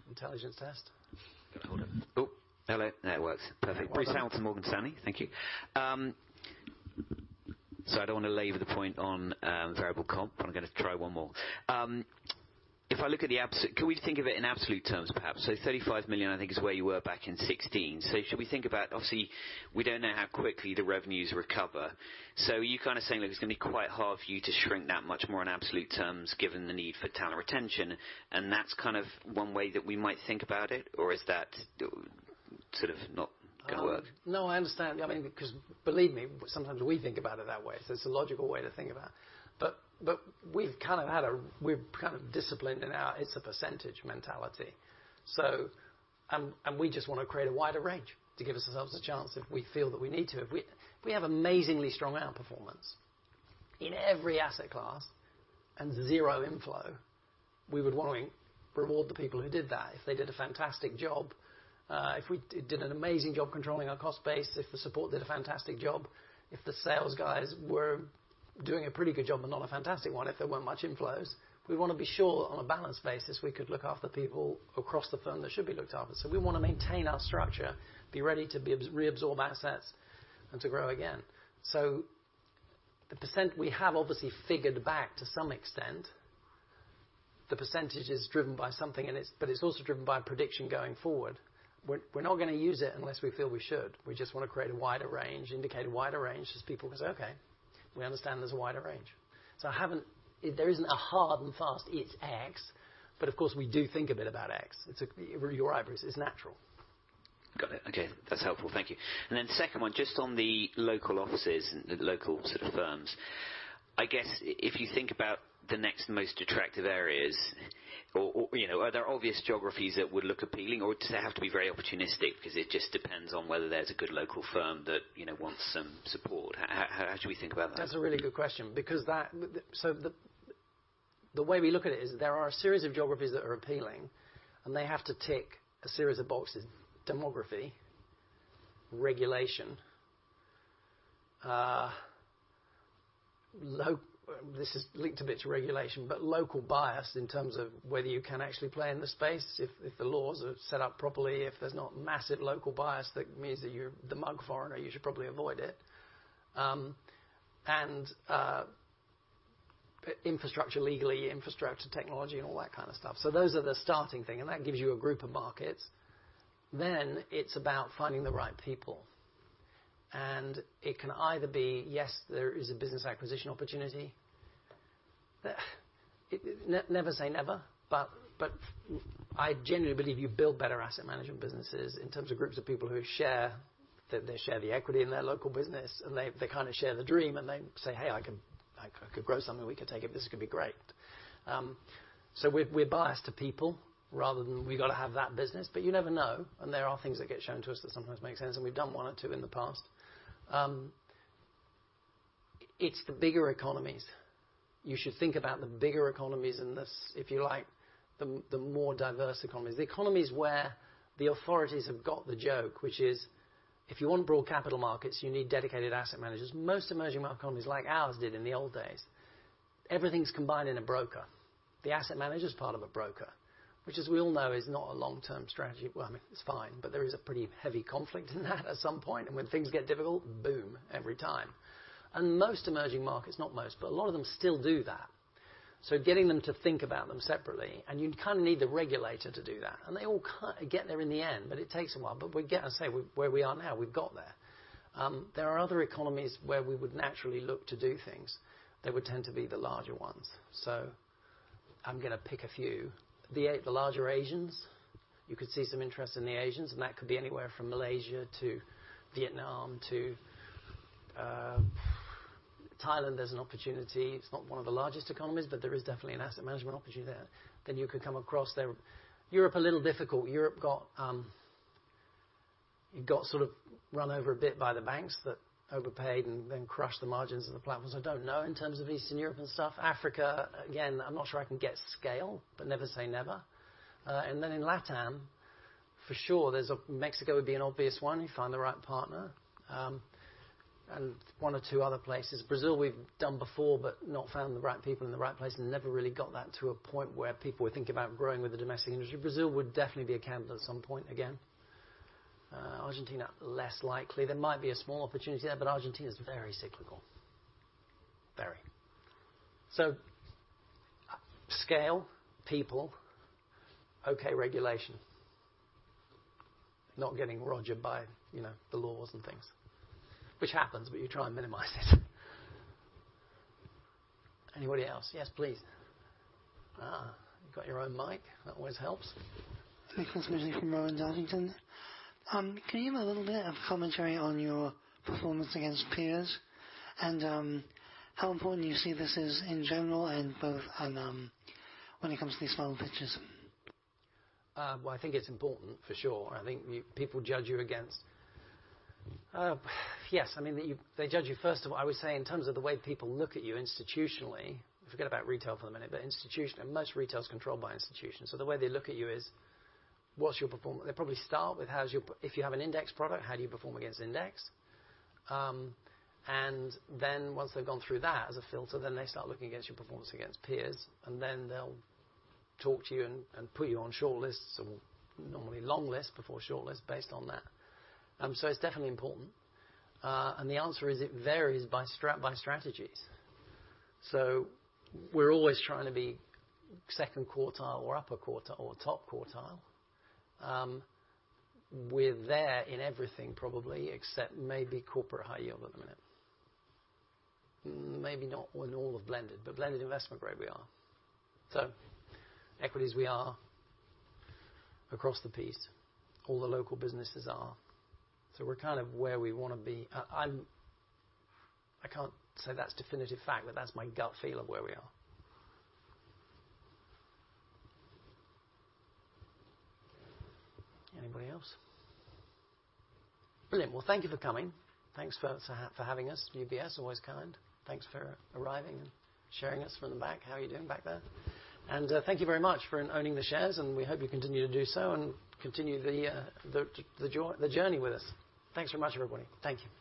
A: Intelligence test.
F: Hold it. Oh, hello. Now it works. Perfect.
A: Great.
F: Bruce Hamilton, Morgan Stanley. Thank you. So I don't want to labor the point on variable comp, but I'm going to try one more. If I look at the absolute, can we think of it in absolute terms, perhaps? So 35 million, I think, is where you were back in 2016. So should we think about... Obviously, we don't know how quickly the revenues recover. So are you kind of saying that it's going to be quite hard for you to shrink that much more in absolute terms, given the need for talent retention, and that's kind of one way that we might think about it? Or is that sort of not going to work?
A: No, I understand. I mean, because believe me, sometimes we think about it that way. So it's a logical way to think about it. But we've kind of disciplined in our, "It's a percentage" mentality. So, and we just want to create a wider range to give ourselves a chance if we feel that we need to. If we have amazingly strong outperformance in every asset class and zero inflow, we would want to reward the people who did that if they did a fantastic job, if we did an amazing job controlling our cost base, if the support did a fantastic job, if the sales guys were doing a pretty good job, but not a fantastic one, if there weren't much inflows. We want to be sure on a balanced basis, we could look after people across the firm that should be looked after. So we want to maintain our structure, be ready to reabsorb assets and to grow again. So the percent we have obviously figured back to some extent, the percentage is driven by something, and it's, but it's also driven by prediction going forward. We're not going to use it unless we feel we should. We just want to create a wider range, indicate a wider range, just people can say, "Okay, we understand there's a wider range." So I haven't... There isn't a hard and fast, "It's X," but of course, we do think a bit about X. It's a- you are, Bruce, it's natural.
F: Got it. Okay, that's helpful. Thank you. And then second one, just on the local offices and the local sort of firms, I guess if you think about the next most attractive areas, or, you know, are there obvious geographies that would look appealing, or do they have to be very opportunistic because it just depends on whether there's a good local firm that, you know, wants some support? How should we think about that?
A: That's a really good question, because so the way we look at it is there are a series of geographies that are appealing, and they have to tick a series of boxes: demography, regulation, this is linked a bit to regulation, but local bias in terms of whether you can actually play in the space, if the laws are set up properly, if there's not massive local bias, that means that you're the mug foreigner, you should probably avoid it. And infrastructure, legally, infrastructure, technology, and all that kind of stuff. So those are the starting thing, and that gives you a group of markets. Then it's about finding the right people. And it can either be, yes, there is a business acquisition opportunity. Never say never, but I generally believe you build better asset management businesses in terms of groups of people who share, that they share the equity in their local business, and they, they kind of share the dream, and they say, "Hey, I can... I could grow something. We could take it. This could be great." So we're biased to people rather than, "We've got to have that business," but you never know, and there are things that get shown to us that sometimes make sense, and we've done one or two in the past. It's the bigger economies. You should think about the bigger economies and the, if you like, the more diverse economies. The economies where the authorities have got the joke, which is, if you want broad capital markets, you need dedicated asset managers. Most emerging market economies, like ours did in the old days, everything's combined in a broker. The asset manager is part of a broker, which, as we all know, is not a long-term strategy. Well, I mean, it's fine, but there is a pretty heavy conflict in that at some point, and when things get difficult, boom, every time. And most emerging markets, not most, but a lot of them still do that. So getting them to think about them separately, and you kind of need the regulator to do that, and they all get there in the end, but it takes a while. But we get, I say, where we are now, we've got there. There are other economies where we would naturally look to do things. They would tend to be the larger ones. So I'm going to pick a few. The larger Asians, you could see some interest in the Asians, and that could be anywhere from Malaysia to Vietnam to Thailand, there's an opportunity. It's not one of the largest economies, but there is definitely an asset management opportunity there. Then you could come across there... Europe, a little difficult. Europe, it got sort of run over a bit by the banks that overpaid and then crushed the margins of the platforms. I don't know in terms of Eastern Europe and stuff. Africa, again, I'm not sure I can get scale, but never say never. And then in Latam, for sure, there's a... Mexico would be an obvious one. You find the right partner. And one or two other places. Brazil, we've done before, but not found the right people in the right place, and never really got that to a point where people were thinking about growing with the domestic industry. Brazil would definitely be a candidate at some point again. Argentina, less likely. There might be a small opportunity there, but Argentina is very cyclical. Very. So, scale, people, okay, regulation. Not getting rogered by, you know, the laws and things, which happens, but you try and minimize it. Anybody else? Yes, please. Ah, you got your own mic. That always helps.
G: from Rowan Dartington. Can you give a little bit of commentary on your performance against peers, and, how important do you see this is in general and both, and, when it comes to these small pitches?
A: Well, I think it's important, for sure. I think people judge you against... Yes, I mean, they judge you, first of all, I would say, in terms of the way people look at you institutionally, forget about retail for a minute, but institutional-most retail is controlled by institutions, so the way they look at you is, what's your performance? They probably start with how is your performance? If you have an index product, how do you perform against index? And then once they've gone through that as a filter, then they start looking against your performance against peers, and then they'll talk to you and put you on shortlists, or normally longlists before shortlists, based on that. So it's definitely important. And the answer is it varies by strategy. So we're always trying to be second quartile or upper quartile or top quartile. We're there in everything, probably, except maybe corporate high yield at the minute. Maybe not in all of Blended, but Blended investment grade we are. So Equities we are across the piece. All the local businesses are. So we're kind of where we want to be. I can't say that's definitive fact, but that's my gut feel of where we are. Anybody else? Brilliant. Well, thank you for coming. Thanks for having us, UBS, always kind. Thanks for arriving and sharing us from the back. How are you doing back there? And thank you very much for owning the shares, and we hope you continue to do so and continue the journey with us. Thanks very much, everybody. Thank you.